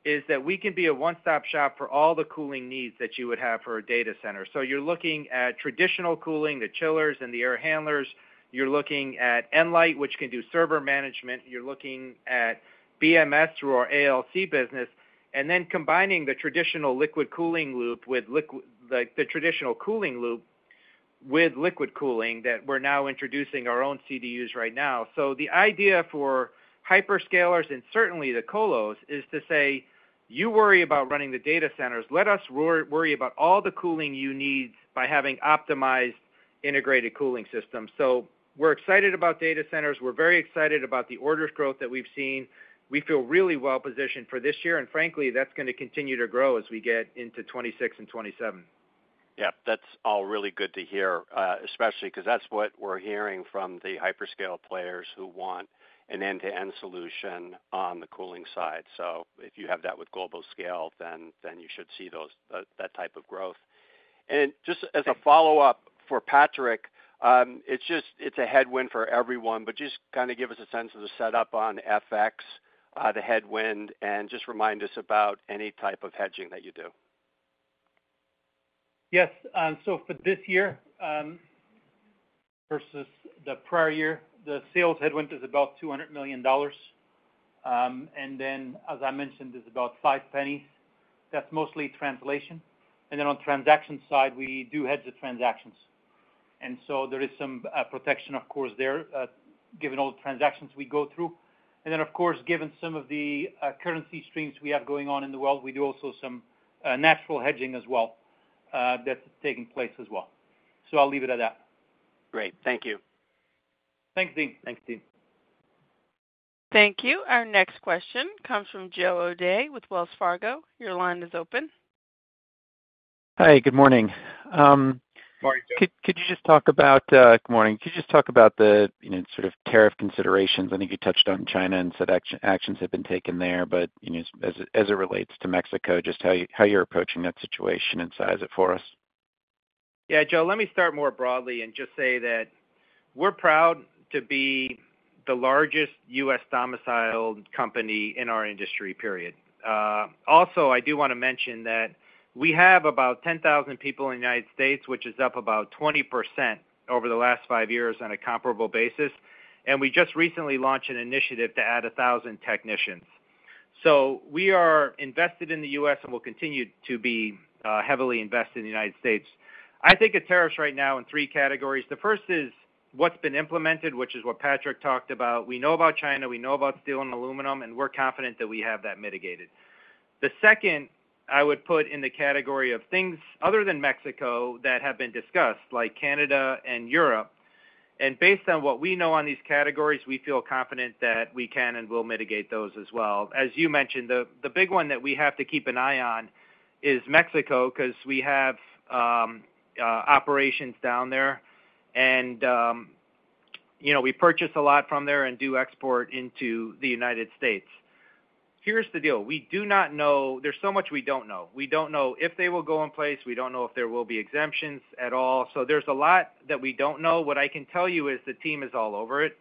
is that we can be a one-stop shop for all the cooling needs that you would have for a data center. You're looking at traditional cooling, the chillers and the air handlers. You're looking at Nlyte, which can do server management. You're looking at BMS through our ALC business. And then combining the traditional liquid cooling loop with the traditional cooling loop with liquid cooling that we're now introducing our own CDUs right now. So the idea for hyperscalers and certainly the colos is to say, "You worry about running the data centers. Let us worry about all the cooling you need by having optimized integrated cooling systems." So we're excited about data centers. We're very excited about the orders growth that we've seen. We feel really well-positioned for this year. And frankly, that's going to continue to grow as we get into 2026 and 2027. Yeah. That's all really good to hear, especially because that's what we're hearing from the hyperscale players who want an end-to-end solution on the cooling side. So if you have that with Global Scale, then you should see that type of growth. And just as a follow-up for Patrick, it's a headwind for everyone, but just kind of give us a sense of the setup on FX, the headwind, and just remind us about any type of hedging that you do. Yes. So for this year versus the prior year, the sales headwind is about $200 million. And then, as I mentioned, it's about five pennies. That's mostly translation. And then on the transaction side, we do hedge the transactions. And so there is some protection, of course, there, given all the transactions we go through. And then, of course, given some of the currency streams we have going on in the world, we do also some natural hedging as well that's taking place as well. So I'll leave it at that. Great. Thank you. Thanks, Dean. Thanks, Dean. Thank you. Our next question comes from Joe O'Dea with Wells Fargo. Your line is open. Hi. Good morning. Morning, Joe. Good morning. Could you just talk about the sort of tariff considerations? I think you touched on China and said actions have been taken there. But as it relates to Mexico, just how you're approaching that situation and size it for us? Yeah. Joe, let me start more broadly and just say that we're proud to be the largest U.S. domiciled company in our industry, period. Also, I do want to mention that we have about 10,000 people in the United States, which is up about 20% over the last five years on a comparable basis. And we just recently launched an initiative to add 1,000 technicians. So we are invested in the U.S. and will continue to be heavily invested in the United States. I think of tariffs right now in three categories. The first is what's been implemented, which is what Patrick talked about. We know about China. We know about steel and aluminum, and we're confident that we have that mitigated. The second, I would put in the category of things other than Mexico that have been discussed, like Canada and Europe. And based on what we know on these categories, we feel confident that we can and will mitigate those as well. As you mentioned, the big one that we have to keep an eye on is Mexico because we have operations down there. And we purchase a lot from there and do export into the United States. Here's the deal. We do not know. There's so much we don't know. We don't know if they will go in place. We don't know if there will be exemptions at all. So there's a lot that we don't know. What I can tell you is the team is all over it.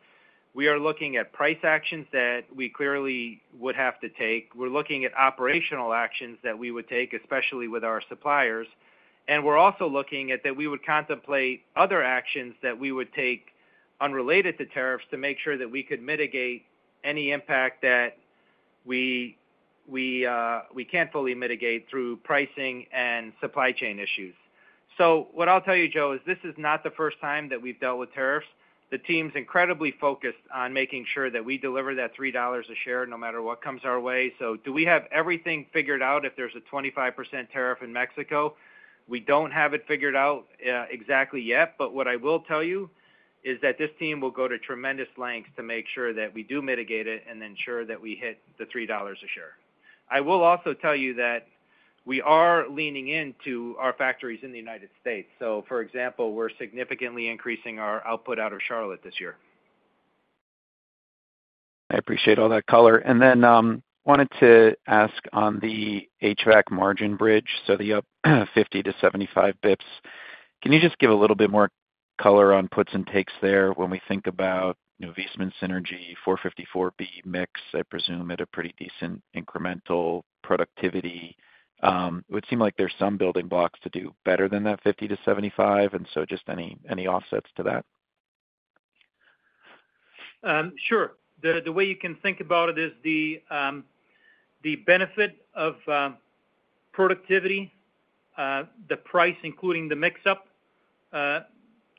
We are looking at price actions that we clearly would have to take. We're looking at operational actions that we would take, especially with our suppliers. And we're also looking at that we would contemplate other actions that we would take unrelated to tariffs to make sure that we could mitigate any impact that we can't fully mitigate through pricing and supply chain issues. So what I'll tell you, Joe, is this is not the first time that we've dealt with tariffs. The team's incredibly focused on making sure that we deliver that $3 a share no matter what comes our way. So do we have everything figured out if there's a 25% tariff in Mexico? We don't have it figured out exactly yet. But what I will tell you is that this team will go to tremendous lengths to make sure that we do mitigate it and ensure that we hit the $3 a share. I will also tell you that we are leaning into our factories in the United States. So, for example, we're significantly increasing our output out of Charlotte this year. I appreciate all that color. And then wanted to ask on the HVAC margin bridge, so the up 50-75 basis points. Can you just give a little bit more color on puts and takes there when we think about VCIN Synergy, 454B mix, I presume, at a pretty decent incremental productivity? It would seem like there's some building blocks to do better than that 50-75. And so just any offsets to that? Sure. The way you can think about it is the benefit of productivity, the price, including the mix-up.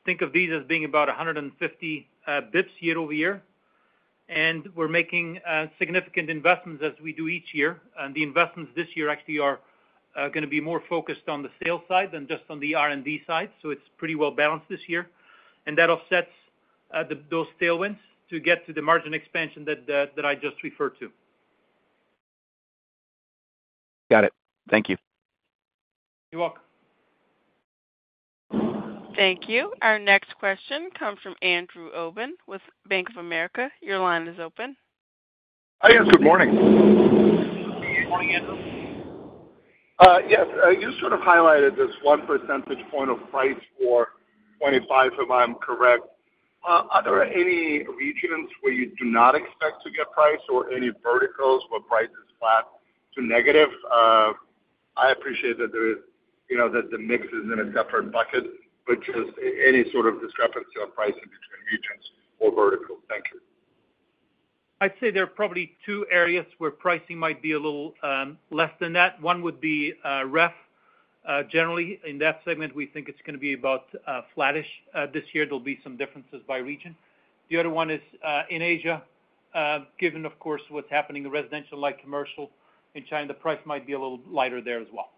Think of these as being about 150 basis points year over year, and we're making significant investments as we do each year. And the investments this year actually are going to be more focused on the sales side than just on the R&D side, so it's pretty well balanced this year, and that offsets those tailwinds to get to the margin expansion that I just referred to. Got it. Thank you. You're welcome. Thank you. Our next question comes from Andrew Obin with Bank of America. Your line is open. Hi. Yes. Good morning. Good morning, Andrew. Yes. You sort of highlighted this one percentage point of price for 2025, if I'm correct. Are there any regions where you do not expect to get price or any verticals where price is flat to negative? I appreciate that the mix is in a separate bucket, but just any sort of discrepancy on pricing between regions or verticals. Thank you. I'd say there are probably two areas where pricing might be a little less than that. One would be ref. Generally, in that segment, we think it's going to be about flattish this year. There'll be some differences by region. The other one is in Asia. Given, of course, what's happening in residential-like commercial in China, the price might be a little lighter there as well.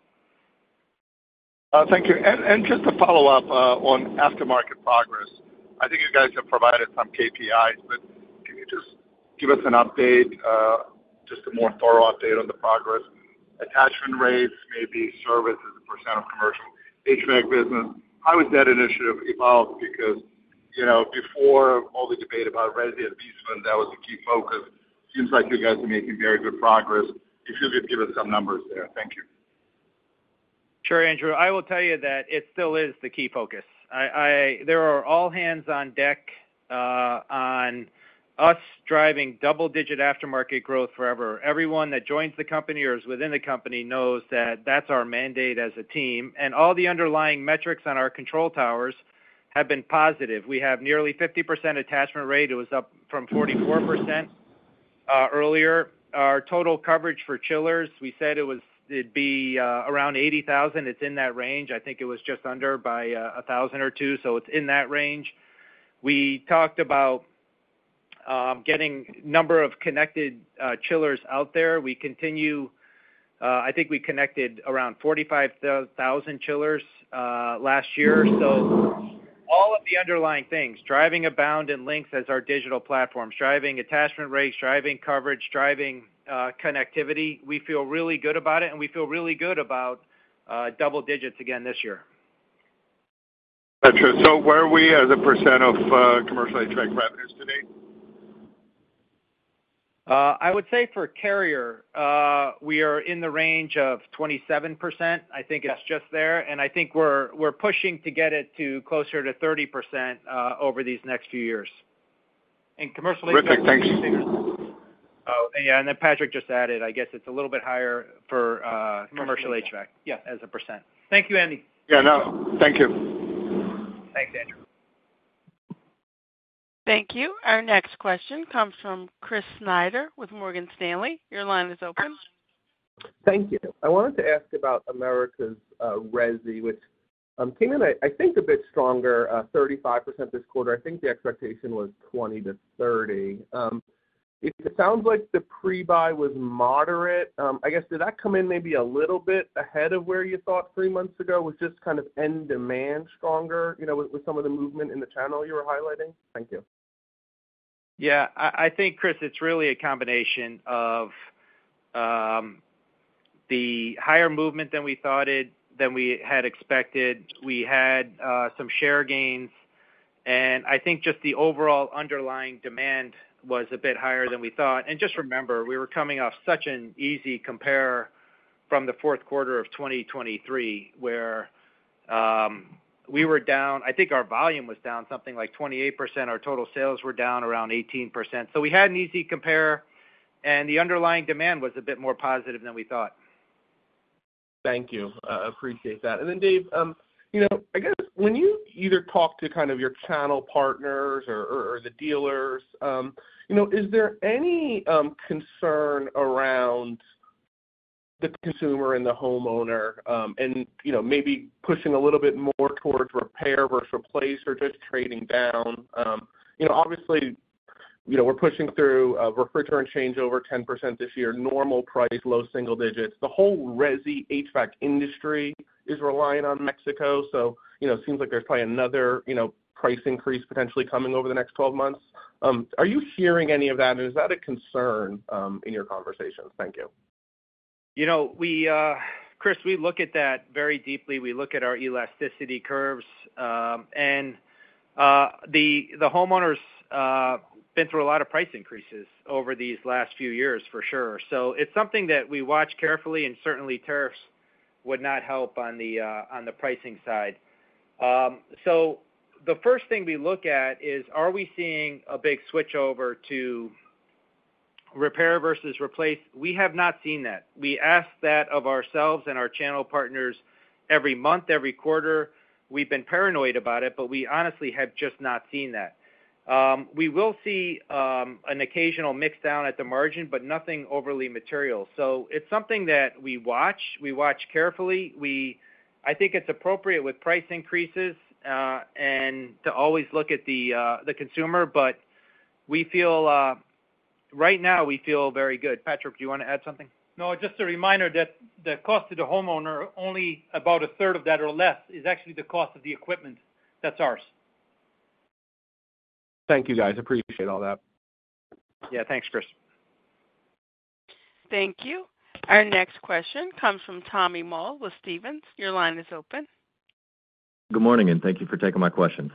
Thank you. And just to follow up on aftermarket progress, I think you guys have provided some KPIs, but can you just give us an update, just a more thorough update on the progress? Attachment rates, maybe services percent of commercial HVAC business. How has that initiative evolved? Because before all the debate about resi and VCIN, that was a key focus. Seems like you guys are making very good progress. If you could give us some numbers there. Thank you. Sure, Andrew. I will tell you that it still is the key focus. There are all hands on deck on us driving double-digit aftermarket growth forever. Everyone that joins the company or is within the company knows that that's our mandate as a team, and all the underlying metrics on our control towers have been positive. We have nearly 50% attachment rate. It was up from 44% earlier. Our total coverage for chillers, we said it'd be around 80,000. It's in that range. I think it was just under by 1,000 or two, so it's in that range. We talked about getting a number of connected chillers out there. I think we connected around 45,000 chillers last year, so all of the underlying things, driving Abound and Lynx as our digital platforms, driving attachment rates, driving coverage, driving connectivity, we feel really good about it. We feel really good about double digits again this year. That's true. So where are we as a % of commercial HVAC revenues today? I would say for Carrier, we are in the range of 27%. I think it's just there. And I think we're pushing to get it to closer to 30% over these next few years. And commercial HVAC. Terrific. Thanks. Oh, yeah. And then Patrick just added, I guess it's a little bit higher for commercial HVAC. Commercial. Yeah, as a percent. Thank you, Andy. Yeah. No. Thank you. Thanks, Andrew. Thank you. Our next question comes from Chris Snyder with Morgan Stanley. Your line is open. Thank you. I wanted to ask about Americas resi, which came in, I think, a bit stronger, 35% this quarter. I think the expectation was 20%-30%. It sounds like the pre-buy was moderate. I guess, did that come in maybe a little bit ahead of where you thought three months ago with just kind of end demand stronger with some of the movement in the channel you were highlighting? Thank you. Yeah. I think, Chris, it's really a combination of the higher movement than we thought it, than we had expected. We had some share gains. And I think just the overall underlying demand was a bit higher than we thought. And just remember, we were coming off such an easy compare from the fourth quarter of 2023 where we were down. I think our volume was down something like 28%. Our total sales were down around 18%. So we had an easy compare. And the underlying demand was a bit more positive than we thought. Thank you. I appreciate that. And then, Dave, I guess when you either talk to kind of your channel partners or the dealers, is there any concern around the consumer and the homeowner and maybe pushing a little bit more towards repair versus replace or just trading down? Obviously, we're pushing through a refrigerant changeover 10% this year, normal price, low single digits. The whole resi HVAC industry is relying on Mexico. So it seems like there's probably another price increase potentially coming over the next 12 months. Are you hearing any of that? And is that a concern in your conversations? Thank you. Chris, we look at that very deeply. We look at our elasticity curves. And the homeowners have been through a lot of price increases over these last few years, for sure. So it's something that we watch carefully. And certainly, tariffs would not help on the pricing side. So the first thing we look at is, are we seeing a big switch over to repair versus replace? We have not seen that. We ask that of ourselves and our channel partners every month, every quarter. We've been paranoid about it, but we honestly have just not seen that. We will see an occasional mixdown at the margin, but nothing overly material. So it's something that we watch. We watch carefully. I think it's appropriate with price increases and to always look at the consumer. But right now, we feel very good. Patrick, do you want to add something? No, just a reminder that the cost to the homeowner, only about a third of that or less, is actually the cost of the equipment that's ours. Thank you, guys. Appreciate all that. Yeah. Thanks, Chris. Thank you. Our next question comes from Tommy Mull with Stephens. Your line is open. Good morning, and thank you for taking my questions.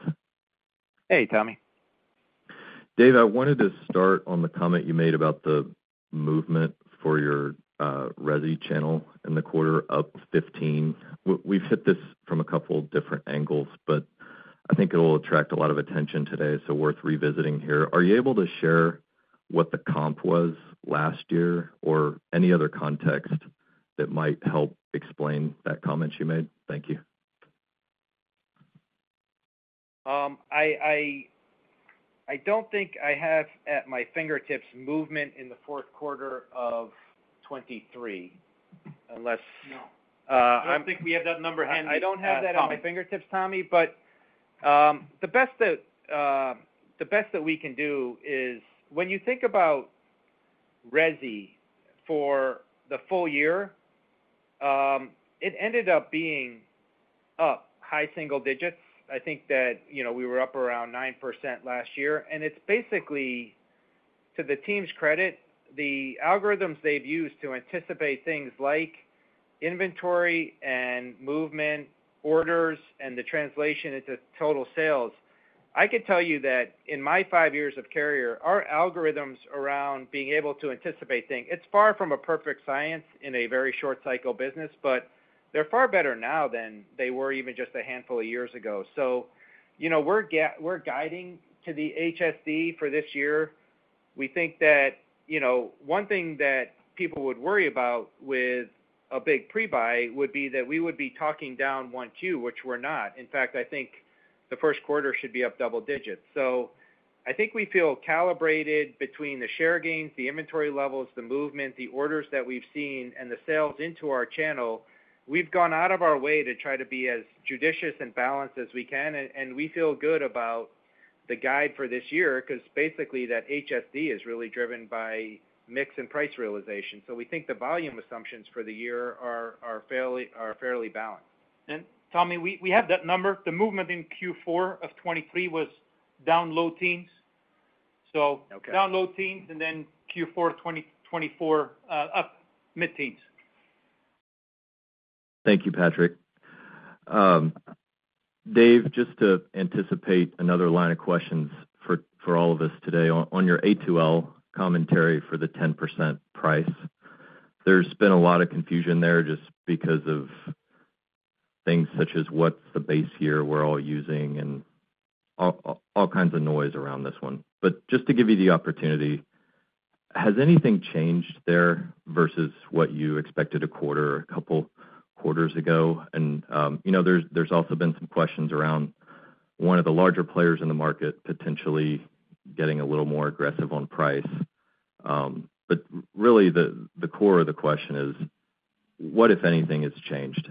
Hey, Tommy. Dave, I wanted to start on the comment you made about the movement for your resi channel in the quarter of 2015. We've hit this from a couple of different angles, but I think it'll attract a lot of attention today. So worth revisiting here. Are you able to share what the comp was last year or any other context that might help explain that comment you made? Thank you. I don't think I have at my fingertips movement in the fourth quarter of 2023 unless. No. I don't think we have that number handy. I don't have that on my fingertips, Tommy, but the best that we can do is when you think about resi for the full year, it ended up being up high single digits. I think that we were up around 9% last year, and it's basically, to the team's credit, the algorithms they've used to anticipate things like inventory and movement orders and the translation into total sales. I can tell you that in my five years of Carrier, our algorithms around being able to anticipate things, it's far from a perfect science in a very short-cycle business, but they're far better now than they were even just a handful of years ago, so we're guiding to the HSD for this year. We think that one thing that people would worry about with a big pre-buy would be that we would be talking down one Q, which we're not. In fact, I think the first quarter should be up double digits, so I think we feel calibrated between the share gains, the inventory levels, the movement, the orders that we've seen, and the sales into our channel. We've gone out of our way to try to be as judicious and balanced as we can, and we feel good about the guide for this year because basically that HSD is really driven by mix and price realization, so we think the volume assumptions for the year are fairly balanced. And Tommy, we have that number. The movement in Q4 of 2023 was down low teens. So down low teens and then Q4 of 2024, up mid-teens. Thank you, Patrick. Dave, just to anticipate another line of questions for all of us today on your A2L commentary for the 10% price, there's been a lot of confusion there just because of things such as what's the base year we're all using and all kinds of noise around this one. But just to give you the opportunity, has anything changed there versus what you expected a quarter or a couple quarters ago? And there's also been some questions around one of the larger players in the market potentially getting a little more aggressive on price. But really, the core of the question is, what, if anything, has changed?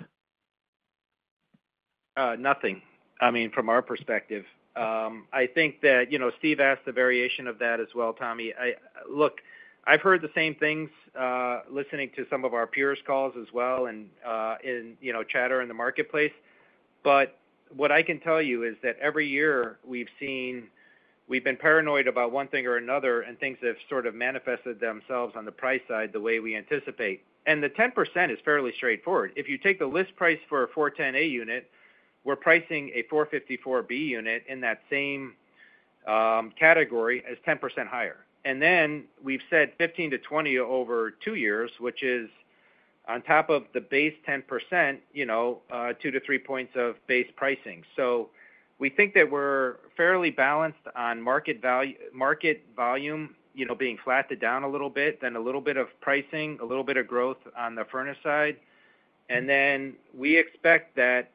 Nothing, I mean, from our perspective. I think that Steve asked the variation of that as well, Tommy. Look, I've heard the same things listening to some of our peers' calls as well and chatter in the marketplace, but what I can tell you is that every year we've been paranoid about one thing or another, and things have sort of manifested themselves on the price side the way we anticipate, and the 10% is fairly straightforward. If you take the list price for a 410A unit, we're pricing a 454B unit in that same category as 10% higher, and then we've said 15%-20% over two years, which is on top of the base 10%, two-three points of base pricing. So we think that we're fairly balanced on market volume being flattened down a little bit, then a little bit of pricing, a little bit of growth on the furnace side. And then we expect that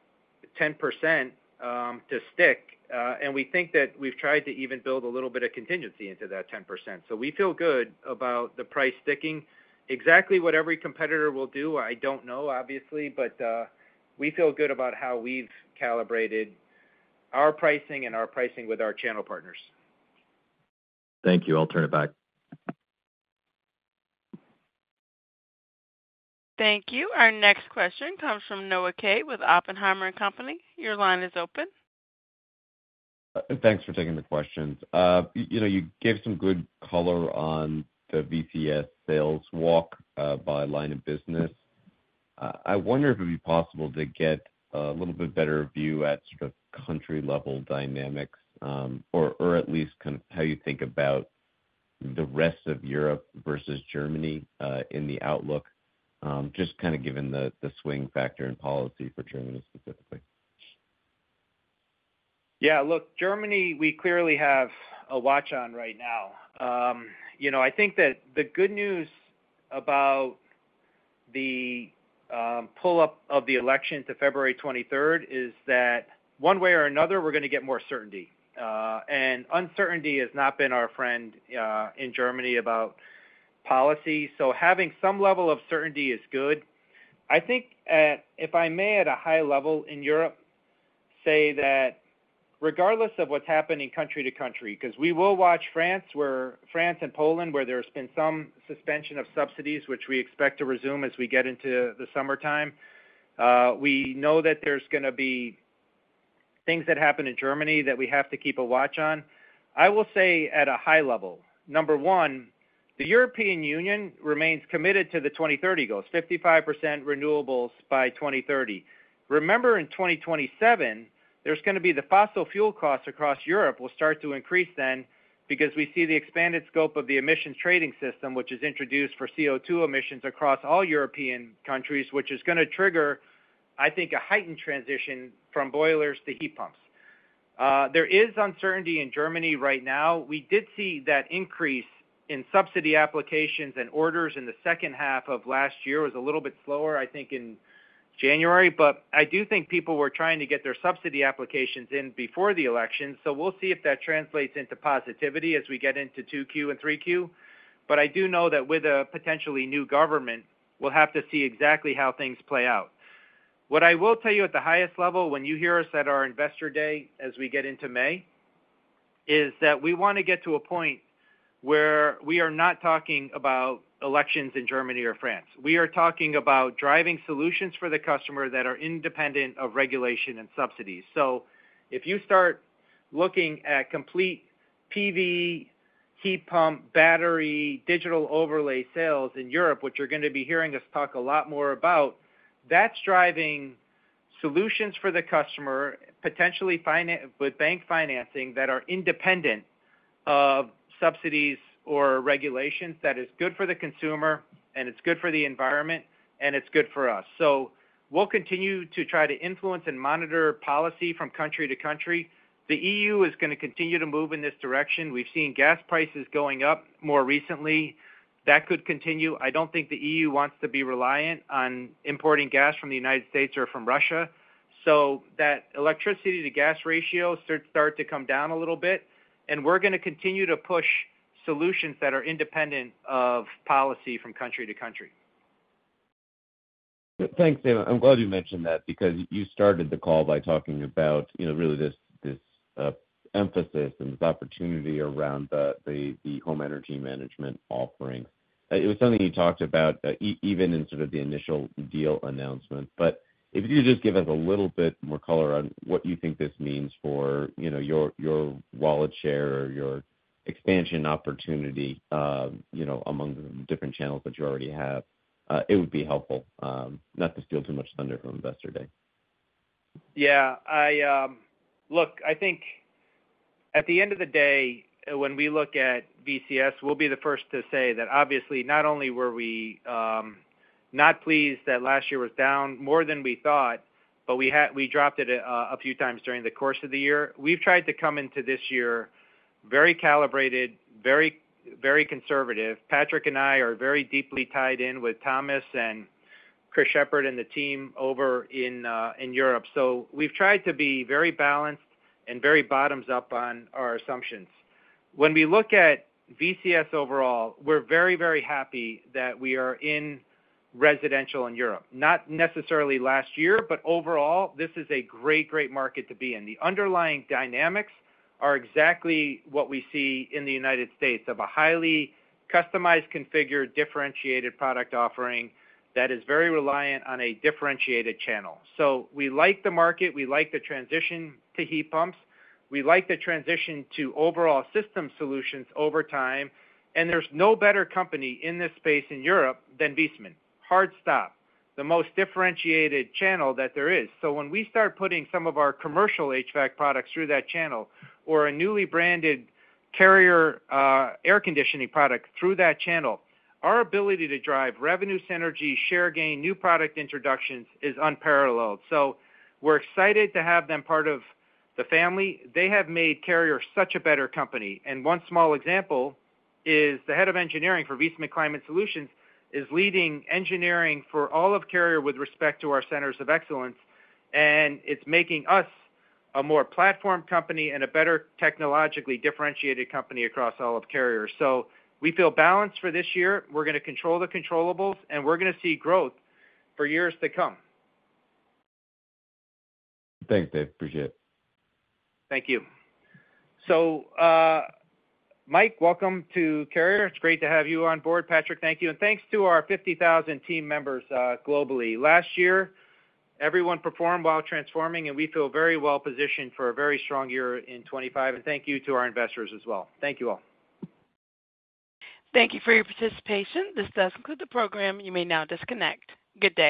10% to stick. And we think that we've tried to even build a little bit of contingency into that 10%. So we feel good about the price sticking. Exactly what every competitor will do, I don't know, obviously. But we feel good about how we've calibrated our pricing and our pricing with our channel partners. Thank you. I'll turn it back. Thank you. Our next question comes from Noah Kaye with Oppenheimer & Co. Your line is open. Thanks for taking the questions. You gave some good color on the VCS sales walk by line of business. I wonder if it'd be possible to get a little bit better view at sort of country-level dynamics or at least kind of how you think about the rest of Europe versus Germany in the outlook, just kind of given the swing factor in policy for Germany specifically? Yeah. Look, Germany, we clearly have a watch on right now. I think that the good news about the pull-up of the election to February 23rd is that one way or another, we're going to get more certainty, and uncertainty has not been our friend in Germany about policy, so having some level of certainty is good. I think, if I may, at a high level in Europe, say that regardless of what's happening country to country, because we will watch France and Poland where there's been some suspension of subsidies, which we expect to resume as we get into the summertime, we know that there's going to be things that happen in Germany that we have to keep a watch on. I will say at a high level, number one, the European Union remains committed to the 2030 goals, 55% renewables by 2030. Remember, in 2027, there's going to be the fossil fuel costs across Europe will start to increase then because we see the expanded scope of the emissions trading system, which is introduced for CO2 emissions across all European countries, which is going to trigger, I think, a heightened transition from boilers to heat pumps. There is uncertainty in Germany right now. We did see that increase in subsidy applications and orders in the second half of last year was a little bit slower, I think, in January. But I do think people were trying to get their subsidy applications in before the election. So we'll see if that translates into positivity as we get into 2Q and 3Q. But I do know that with a potentially new government, we'll have to see exactly how things play out. What I will tell you at the highest level when you hear us at our Investor Day as we get into May is that we want to get to a point where we are not talking about elections in Germany or France. We are talking about driving solutions for the customer that are independent of regulation and subsidies. So if you start looking at complete PV, heat pump, battery, digital overlay sales in Europe, which you're going to be hearing us talk a lot more about, that's driving solutions for the customer, potentially with bank financing that are independent of subsidies or regulations that is good for the consumer, and it's good for the environment, and it's good for us. So we'll continue to try to influence and monitor policy from country to country. The EU is going to continue to move in this direction. We've seen gas prices going up more recently. That could continue. I don't think the EU wants to be reliant on importing gas from the United States or from Russia. So that electricity to gas ratio should start to come down a little bit, and we're going to continue to push solutions that are independent of policy from country to country. Thanks, David. I'm glad you mentioned that because you started the call by talking about really this emphasis and this opportunity around the home energy management offering. It was something you talked about even in sort of the initial deal announcement. But if you could just give us a little bit more color on what you think this means for your wallet share or your expansion opportunity among the different channels that you already have, it would be helpful not to steal too much thunder from Investor Day. Yeah. Look, I think at the end of the day, when we look at VCS, we'll be the first to say that obviously, not only were we not pleased that last year was down more than we thought, but we dropped it a few times during the course of the year. We've tried to come into this year very calibrated, very conservative. Patrick and I are very deeply tied in with Thomas and Chris Shepherd and the team over in Europe. So we've tried to be very balanced and very bottoms up on our assumptions. When we look at VCS overall, we're very, very happy that we are in residential in Europe. Not necessarily last year, but overall, this is a great, great market to be in. The underlying dynamics are exactly what we see in the United States of a highly customized configured differentiated product offering that is very reliant on a differentiated channel. So we like the market. We like the transition to heat pumps. We like the transition to overall system solutions over time. And there's no better company in this space in Europe than Viessmann. Hard stop. The most differentiated channel that there is. So when we start putting some of our commercial HVAC products through that channel or a newly branded Carrier air conditioning product through that channel, our ability to drive revenue synergy, share gain, new product introductions is unparalleled. So we're excited to have them part of the family. They have made Carrier such a better company. One small example is the head of engineering for Viessmann Climate Solutions is leading engineering for all of Carrier with respect to our centers of excellence. It's making us a more platformed company and a better technologically differentiated company across all of Carrier. We feel balanced for this year. We're going to control the controllables. We're going to see growth for years to come. Thanks, Dave. Appreciate it. Thank you. So Mike, welcome to Carrier. It's great to have you on board. Patrick, thank you. And thanks to our 50,000 team members globally. Last year, everyone performed while transforming. And we feel very well positioned for a very strong year in 2025. And thank you to our investors as well. Thank you all. Thank you for your participation. This does conclude the program. You may now disconnect. Good day.